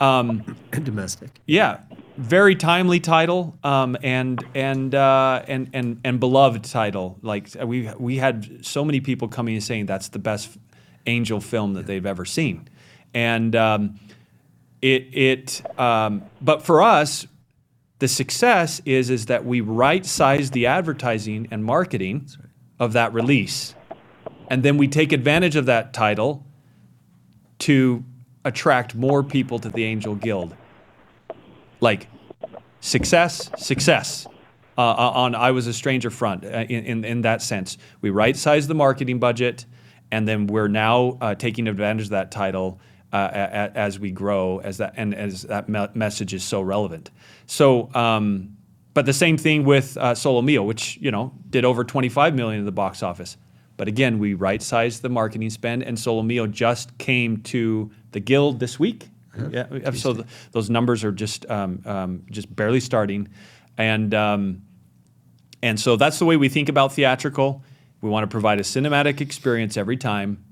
Domestic. Yeah. Very timely title and beloved title. Like, we had so many people coming and saying that's the best Angel film that they've ever seen. For us, the success is that we right-size the advertising and marketing. That's right. of that release, and then we take advantage of that title to attract more people to the Angel Guild. Like, success on I Was a Stranger front in that sense. We right-size the marketing budget, and then we're now taking advantage of that title as we grow as that. As that message is so relevant. But the same thing with Solo Mio, which, you know, did over $25 million in the box office, but again, we right-sized the marketing spend and Solo Mio just came to the guild this week. Correct. Yeah. Those numbers are just barely starting and that's the way we think about theatrical. We want to provide a cinematic experience every time.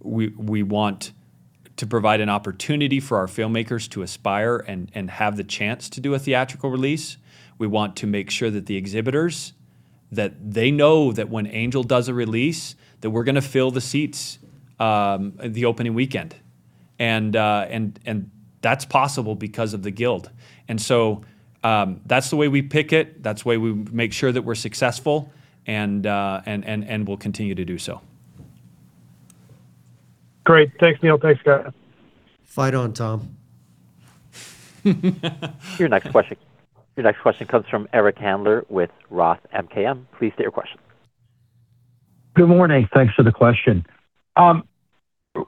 We want to provide an opportunity for our filmmakers to aspire and have the chance to do a theatrical release. We want to make sure that the exhibitors, that they know that when Angel does a release, that we're going to fill the seats, the opening weekend and that's possible because of the guild. That's the way we pick it. That's the way we make sure that we're successful and we'll continue to do so. Great. Thanks, Neal. Thanks, Scott. Fight on, Tom. Your next question comes from Eric Handler with Roth MKM. Please state your question. Good morning. Thanks for the question.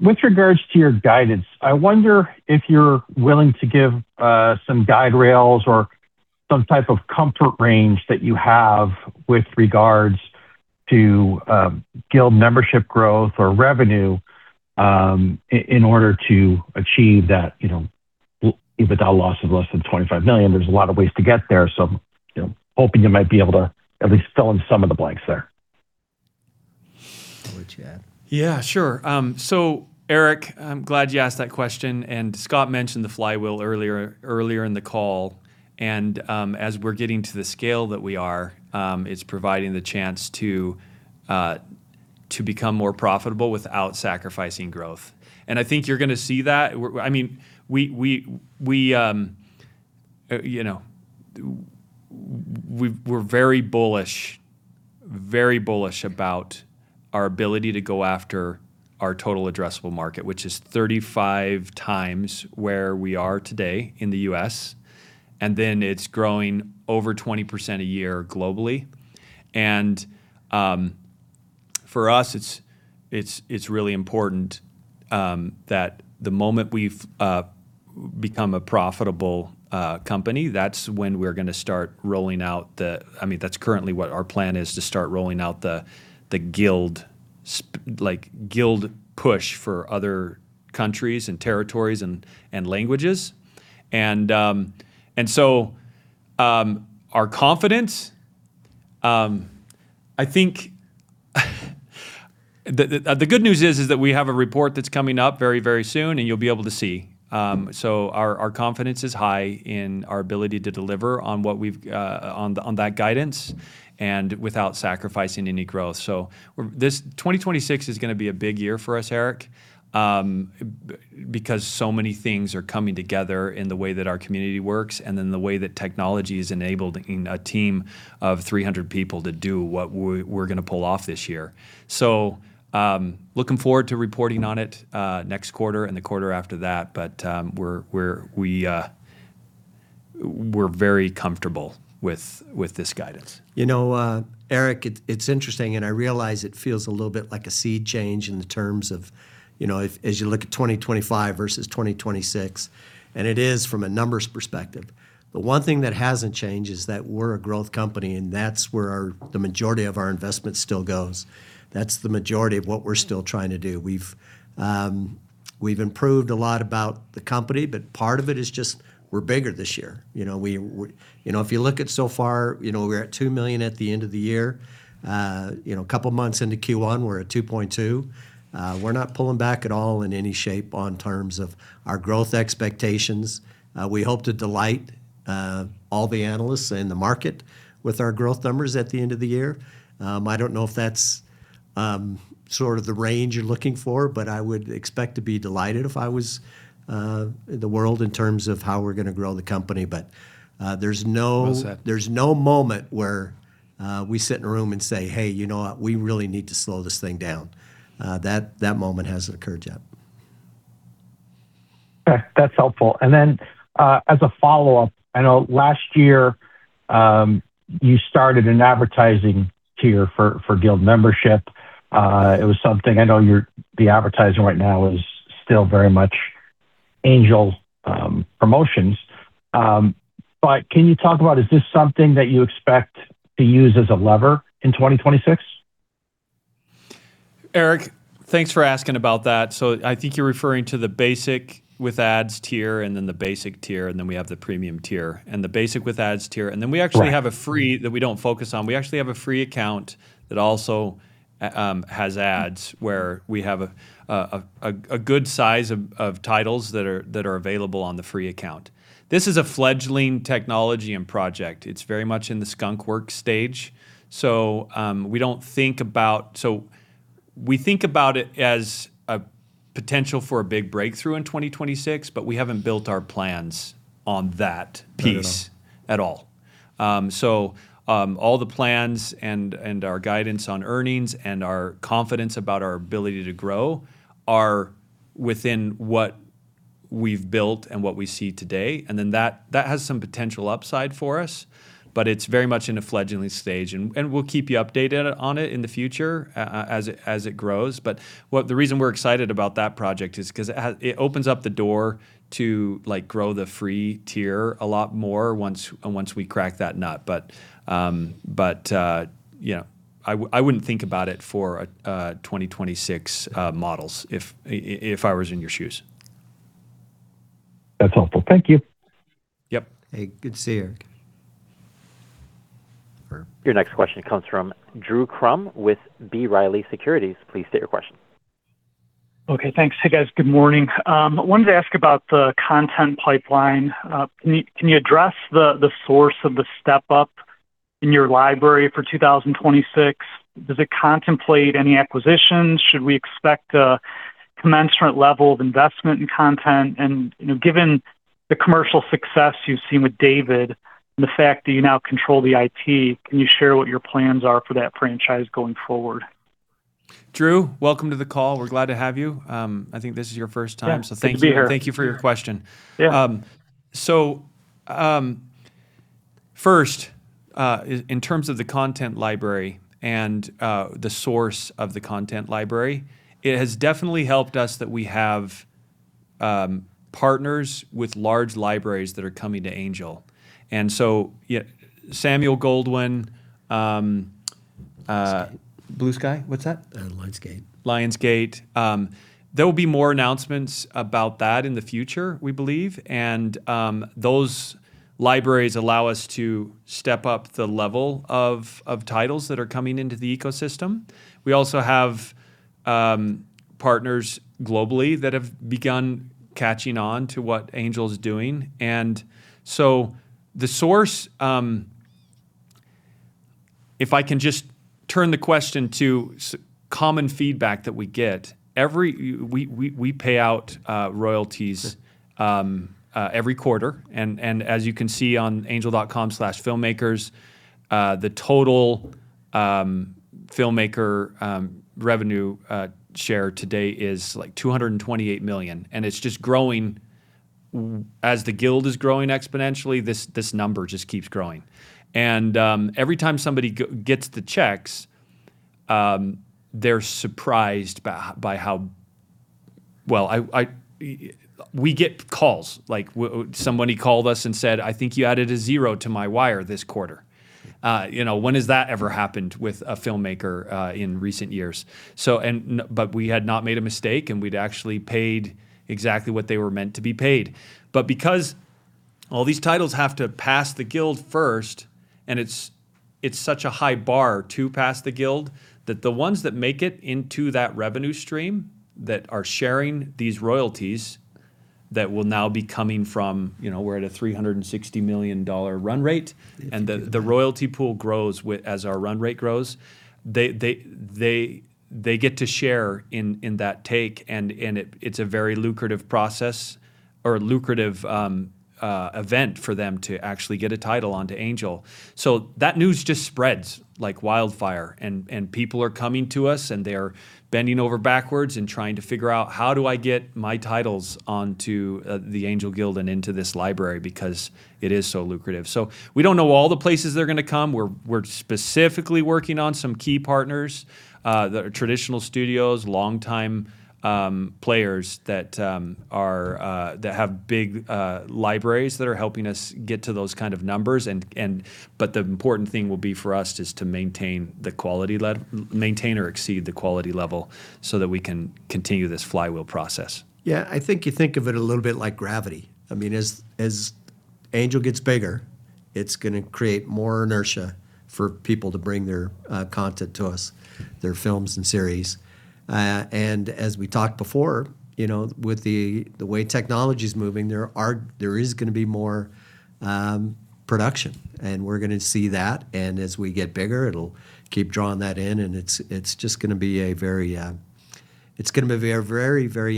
With regards to your guidance, I wonder if you're willing to give some guardrails or some type of comfort range that you have with regards to Guild membership growth or revenue, in order to achieve that, you know, EBITDA loss of less than $25 million. There's a lot of ways to get there, so, you know, hoping you might be able to at least fill in some of the blanks there. What would you add? Yeah, sure. Eric, I'm glad you asked that question, and Scott mentioned the flywheel earlier in the call and, as we're getting to the scale that we are, it's providing the chance to become more profitable without sacrificing growth, and I think you're going to see that. I mean, we're very bullish about our ability to go after our total addressable market, which is 35 times where we are today in the US, and then it's growing over 20% a year globally. For us, it's really important that the moment we've become a profitable company, I mean, that's currently what our plan is, to start rolling out the Guild, like, Guild push for other countries and territories and languages. Our confidence, I think the good news is that we have a report that's coming up very, very soon, and you'll be able to see. Our confidence is high in our ability to deliver on what we've on that guidance and without sacrificing any growth. This 2026 is going to be a big year for us, Eric, because so many things are coming together in the way that our community works, and then the way that technology has enabled, you know, a team of 300 people to do what we're going to pull off this year. Looking forward to reporting on it next quarter and the quarter after that, but we're very comfortable with this guidance. You know, Eric, it's interesting, and I realize it feels a little bit like a sea change in terms of, you know, as you look at 2025 versus 2026, and it is from a numbers perspective. The one thing that hasn't changed is that we're a growth company, and that's where our, the majority of our investment still goes. That's the majority of what we're still trying to do. We've improved a lot about the company, but part of it is just we're bigger this year. You know, you know, if you look at so far, you know, we're at 2 million at the end of the year. You know, a couple months into Q1, we're at 2.2 million. We're not pulling back at all in any shape in terms of our growth expectations. We hope to delight all the analysts in the market with our growth numbers at the end of the year. I don't know if that's sort of the range you're looking for, but I would expect to be delighted if I was in the world in terms of how we're going to grow the company. There's no- Well said. There's no moment where we sit in a room and say, "Hey, you know what? We really need to slow this thing down." That moment hasn't occurred yet. That's helpful. As a follow-up, I know last year you started an advertising tier for Guild membership. It was something. I know your, the advertising right now is still very much Angel promotions. But can you talk about, is this something that you expect to use as a lever in 2026? Eric, thanks for asking about that. I think you're referring to the basic with ads tier, and then the basic tier, and then we have the premium tier. Right ...have a free that we don't focus on. We actually have a free account that also has ads where we have a good size of titles that are available on the free account. This is a fledgling technology and project. It's very much in the skunkworks stage. We think about it as a potential for a big breakthrough in 2026, but we haven't built our plans on that piece. Mm-hmm at all. All the plans and our guidance on earnings and our confidence about our ability to grow are within what we've built and what we see today. Then that has some potential upside for us, but it's very much in a fledgling stage. We'll keep you updated on it in the future as it grows. What the reason we're excited about that project is because it opens up the door to, like, grow the free tier a lot more once we crack that nut. You know, I wouldn't think about it for a 2026 models if I was in your shoes. That's helpful. Thank you. Yep. Hey, good to see you, Eric. Sure. Your next question comes from Drew Crum with B. Riley Securities. Please state your question. Okay, thanks. Hey, guys. Good morning. Wanted to ask about the content pipeline. Can you address the source of the step-up in your library for 2026? Does it contemplate any acquisitions? Should we expect a commensurate level of investment in content? You know, given the commercial success you've seen with David and the fact that you now control the IP, can you share what your plans are for that franchise going forward? Drew, welcome to the call. We're glad to have you. I think this is your first time. Yeah. It's good to be here. Thank you for your question. Yeah. First, in terms of the content library and the source of the content library, it has definitely helped us that we have partners with large libraries that are coming to Angel. Yeah, Samuel Goldwyn. Lionsgate. Blue Sky. What's that? Lionsgate. Lionsgate. There will be more announcements about that in the future, we believe. Those libraries allow us to step up the level of titles that are coming into the ecosystem. We also have partners globally that have begun catching on to what Angel's doing. The sort of common feedback that we get. We pay out royalties. Sure... every quarter. As you can see on angel.com/filmmakers, the total filmmaker revenue share today is, like, $228 million, and it's just growing. As the Guild is growing exponentially, this number just keeps growing. Every time somebody gets the checks, they're surprised by how— Well, we get calls. Like somebody called us and said, "I think you added a zero to my wire this quarter." You know, when has that ever happened with a filmmaker in recent years? But we had not made a mistake, and we'd actually paid exactly what they were meant to be paid. Because all these titles have to pass the Guild first, and it's such a high bar to pass the Guild, that the ones that make it into that revenue stream that are sharing these royalties that will now be coming from, you know, we're at a $360 million run rate, and the royalty pool grows as our run rate grows. They get to share in that take, and it's a very lucrative process or lucrative event for them to actually get a title onto Angel. That news just spreads like wildfire and people are coming to us, and they're bending over backwards and trying to figure out, "How do I get my titles onto the Angel Guild and into this library?" Because it is so lucrative. We don't know all the places they're going to come. We're specifically working on some key partners, the traditional studios, long-time players that have big libraries that are helping us get to those kind of numbers, and the important thing will be for us is to maintain or exceed the quality level so that we can continue this flywheel process. Yeah. I think you think of it a little bit like gravity. I mean, as Angel gets bigger, it's going to create more inertia for people to bring their content to us, their films and series. And as we talked before, you know, with the way technology's moving, there is going to be more production, and we're going to see that. As we get bigger, it'll keep drawing that in, and it's just going to be a very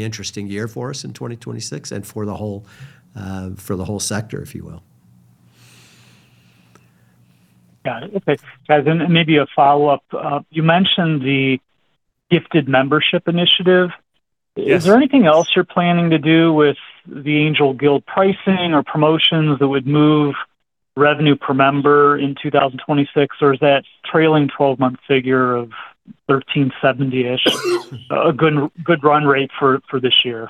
interesting year for us in 2026 and for the whole sector, if you will. Yeah. Okay. Guys, maybe a follow-up. You mentioned the Gift the Guild. Yes. Is there anything else you're planning to do with the Angel Guild pricing or promotions that would move revenue per member in 2026, or is that trailing 12-month figure of $1,370-ish a good run rate for this year?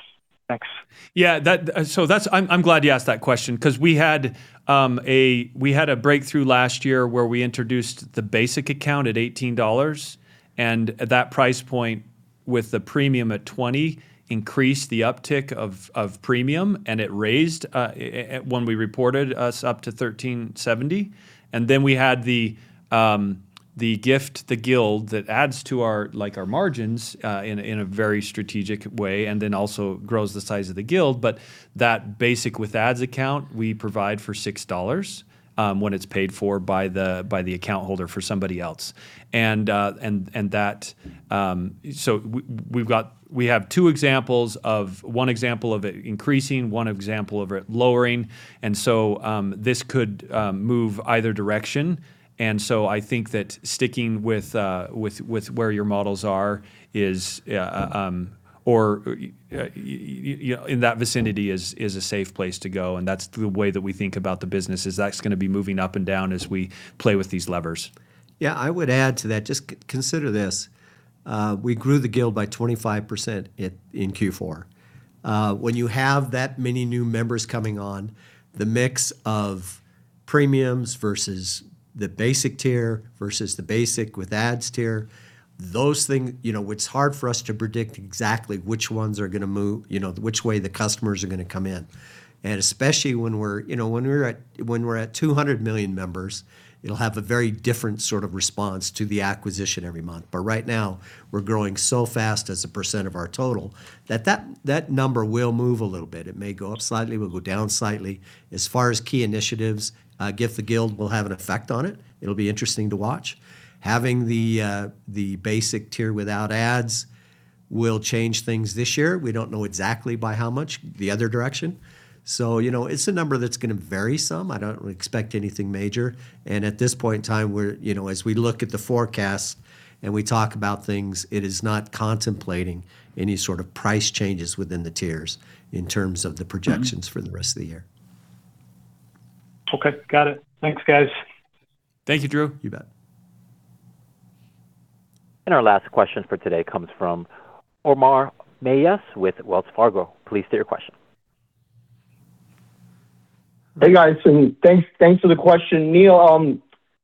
Thanks. Yeah. I'm glad you asked that question because we had a breakthrough last year where we introduced the basic account at $18, and at that price point, with the premium at $20, increased the uptick of premium, and it raised ARPU up to $13.70 when we reported. We had the Gift the Guild that adds to our margins, like, in a very strategic way, and then also grows the size of the Guild. That basic with ads account, we provide for $6 when it's paid for by the account holder for somebody else. We have one example of it increasing, one example of it lowering, and so this could move either direction. I think that sticking with where your models are or you know in that vicinity is a safe place to go, and that's the way that we think about the business is that's going to be moving up and down as we play with these levers. Yeah. I would add to that. Just consider this. We grew the Guild by 25% in Q4. When you have that many new members coming on, the mix of premiums versus the basic tier versus the basic with ads tier, those things, you know, it's hard for us to predict exactly which ones are going to move, you know, which way the customers are going to come in. Especially when we're at 200 million members, it'll have a very different sort of response to the acquisition every month. Right now, we're growing so fast as a percent of our total that number will move a little bit. It may go up slightly, it'll go down slightly. As far as key initiatives, Gift the Guild will have an effect on it. It'll be interesting to watch. Having the basic tier without ads will change things this year. We don't know exactly by how much the other direction. You know, it's a number that's going to vary some. I don't expect anything major. At this point in time, we're, you know, as we look at the forecast and we talk about things, it is not contemplating any sort of price changes within the tiers in terms of the projections for the rest of the year. Okay. Got it. Thanks, guys. Thank you, Drew. You bet. Our last question for today comes from Omar Meza with Wells Fargo. Please state your question. Hey, guys, and thanks for the question. Neal,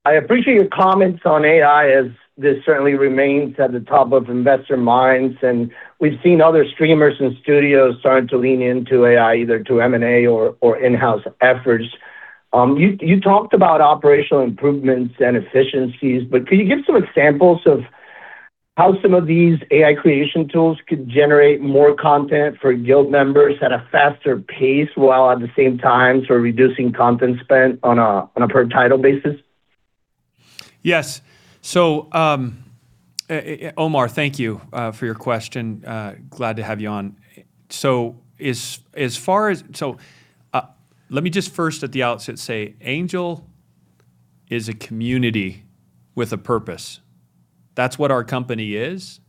I appreciate your comments on AI as this certainly remains at the top of investor minds, and we've seen other streamers and studios starting to lean into AI, either through M&A or in-house efforts. You talked about operational improvements and efficiencies, but can you give some examples of how some of these AI creation tools could generate more content for Guild members at a faster pace while at the same time sort of reducing content spend on a per-title basis? Yes. Omar, thank you for your question. Glad to have you on. Let me just first at the outset say Angel is a community with a purpose. That's what our company is,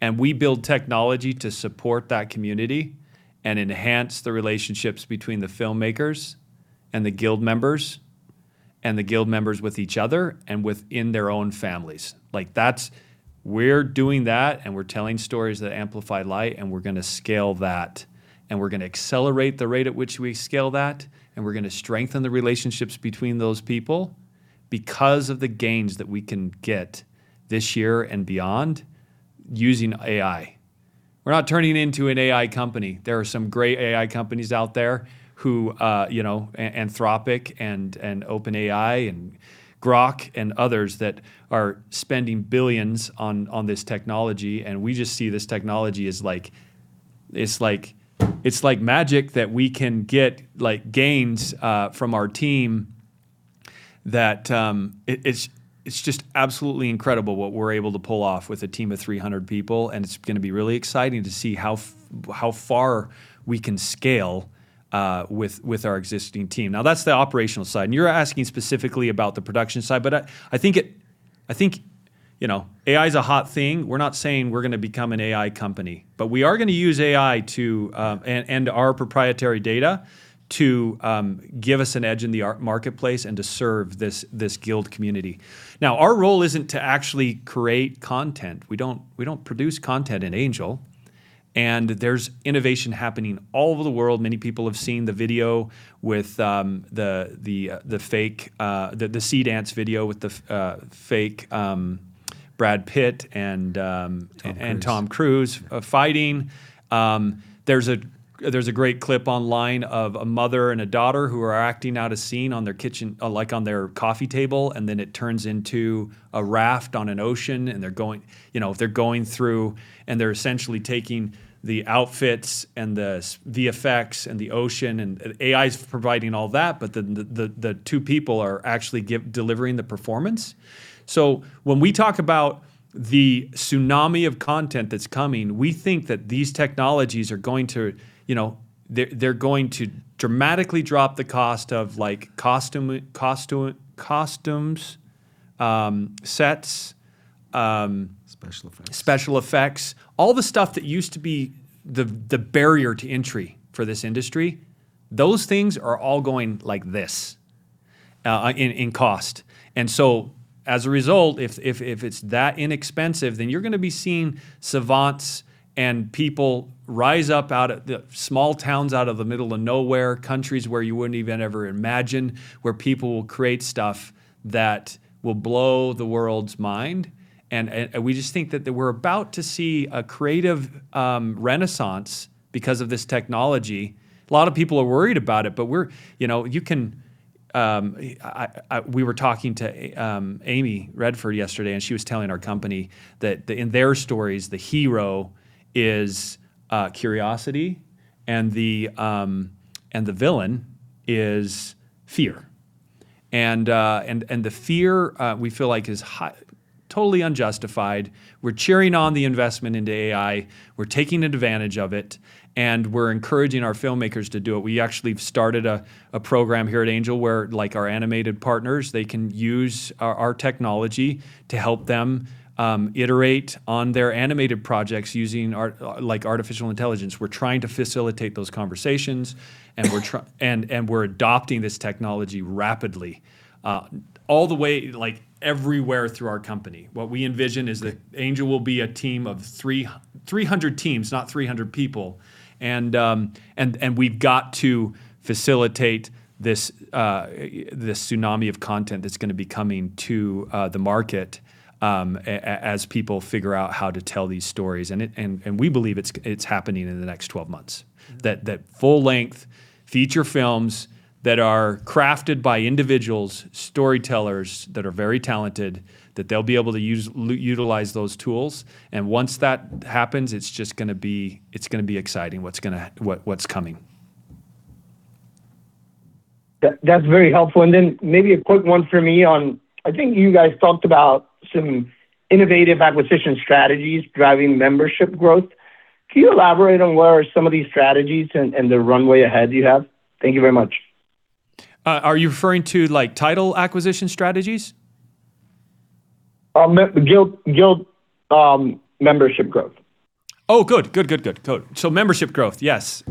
and we build technology to support that community and enhance the relationships between the filmmakers and the Guild members and the Guild members with each other and within their own families. Like, that's. We're doing that, and we're telling stories that amplify light, and we're going to scale that. We're going to accelerate the rate at which we scale that, and we're going to strengthen the relationships between those people because of the gains that we can get this year and beyond using AI. We're not turning into an AI company. There are some great AI companies out there who, you know, Anthropic, and OpenAI, and Grok, and others that are spending billions on this technology, and we just see this technology as, like, it's like magic that we can get, like, gains from our team that it's just absolutely incredible what we're able to pull off with a team of 300 people, and it's going to be really exciting to see how far we can scale with our existing team. Now, that's the operational side, and you're asking specifically about the production side. I think, you know, AI's a hot thing. We're not saying we're going to become an AI company. We are going to use AI to and our proprietary data to give us an edge in our marketplace and to serve this Guild community. Now, our role isn't to actually create content. We don't produce content at Angel. There's innovation happening all over the world. Many people have seen the fake SeeDance video with fake Brad Pitt and Tom Cruise Tom Cruise fighting. There's a great clip online of a mother and a daughter who are acting out a scene on their kitchen, like, on their coffee table, and then it turns into a raft on an ocean, and they're going you know, they're going through, and they're essentially taking the outfits, and the VFX, and the ocean, and AI's providing all that, but then the two people are actually delivering the performance. When we talk about the tsunami of content that's coming, we think that these technologies are going to, you know, they're going to dramatically drop the cost of, like, costumes, sets. Special effects special effects. All the stuff that used to be the barrier to entry for this industry, those things are all going like this in cost. As a result, if it's that inexpensive, then you're going to be seeing savants and people rise up out of the small towns out of the middle of nowhere, countries where you wouldn't even ever imagine, where people will create stuff that will blow the world's mind. We just think that we're about to see a creative renaissance because of this technology. A lot of people are worried about it, but we're you know you can I we were talking to Amy Redford yesterday, and she was telling our company that in their stories, the hero is curiosity, and the villain is fear. The fear we feel like is totally unjustified. We're cheering on the investment into AI. We're taking advantage of it, and we're encouraging our filmmakers to do it. We actually have started a program here at Angel where, like, our animated partners, they can use our technology to help them iterate on their animated projects using like, artificial intelligence. We're trying to facilitate those conversations, and we're adopting this technology rapidly all the way, like, everywhere through our company. What we envision is that Angel will be a team of 300 teams, not 300 people, and we've got to facilitate this tsunami of content that's going to be coming to the market as people figure out how to tell these stories. We believe it's happening in the next 12 months. That full-length feature films that are crafted by individuals, storytellers that are very talented, that they'll be able to use those tools, and once that happens, it's just going to be exciting what's coming. That's very helpful. Maybe a quick one for me on, I think you guys talked about some innovative acquisition strategies driving membership growth. Can you elaborate on what are some of these strategies and the runway ahead you have? Thank you very much. Are you referring to, like, title acquisition strategies? The Guild membership growth. Oh, good. Membership growth, yes.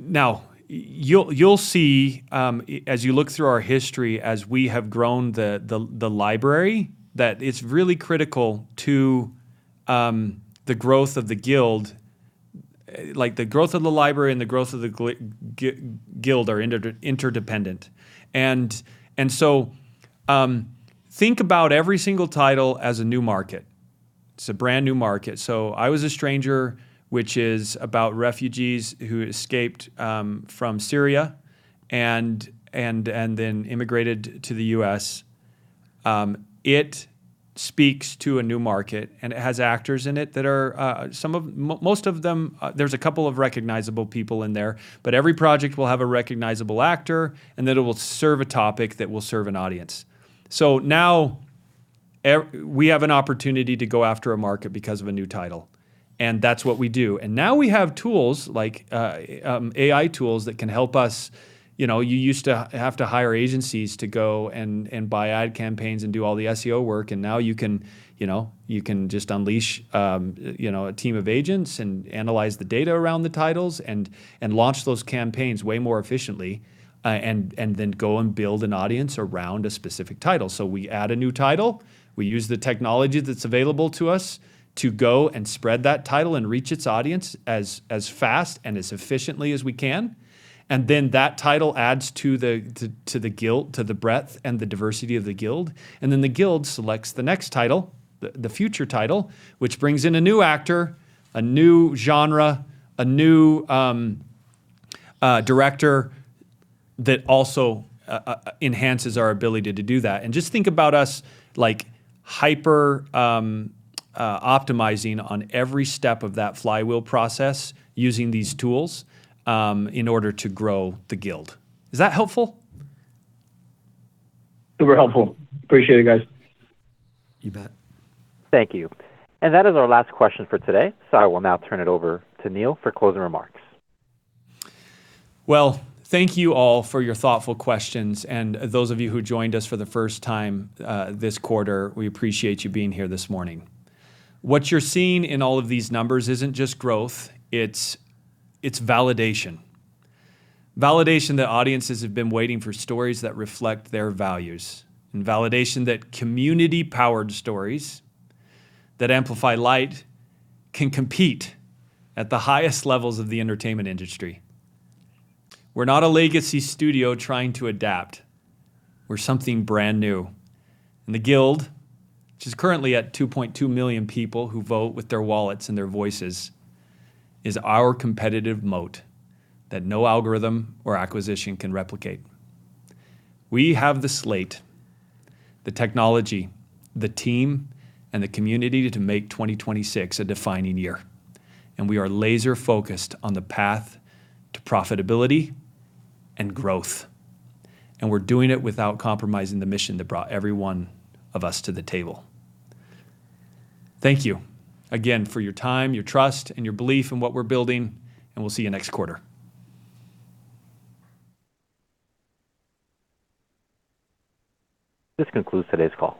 Now, you'll see as you look through our history as we have grown the library, that it's really critical to the growth of the Guild. Like, the growth of the library and the growth of the Guild are interdependent. Think about every single title as a new market. It's a brand-new market. I Was a Stranger, which is about refugees who escaped from Syria and then immigrated to the U.S., speaks to a new market, and it has actors in it that are most of them, there's a couple of recognizable people in there. Every project will have a recognizable actor, and then it will serve a topic that will serve an audience. We have an opportunity to go after a market because of a new title, and that's what we do. Now we have tools like AI tools that can help us. You know, you used to have to hire agencies to go and buy ad campaigns and do all the SEO work, and now you can, you know, you can just unleash a team of agents and analyze the data around the titles and launch those campaigns way more efficiently, and then go and build an audience around a specific title. We add a new title, we use the technology that's available to us to go and spread that title and reach its audience as fast and as efficiently as we can, and then that title adds to The Guild, to the breadth and the diversity of The Guild, and then The Guild selects the next title, the future title, which brings in a new actor, a new genre, a new director that also enhances our ability to do that. Just think about us like hyper optimizing on every step of that flywheel process using these tools in order to grow The Guild. Is that helpful? Super helpful. Appreciate it, guys. You bet. Thank you. That is our last question for today, so I will now turn it over to Neal for closing remarks. Well, thank you all for your thoughtful questions, and those of you who joined us for the first time this quarter, we appreciate you being here this morning. What you're seeing in all of these numbers isn't just growth, it's validation. Validation that audiences have been waiting for stories that reflect their values, and validation that community-powered stories that amplify light can compete at the highest levels of the entertainment industry. We're not a legacy studio trying to adapt. We're something brand new. The Guild, which is currently at 2.2 million people who vote with their wallets and their voices, is our competitive moat that no algorithm or acquisition can replicate. We have the slate, the technology, the team and the community to make 2026 a defining year, and we are laser-focused on the path to profitability and growth, and we're doing it without compromising the mission that brought every one of us to the table. Thank you again for your time, your trust, and your belief in what we're building, and we'll see you next quarter. This concludes today's call.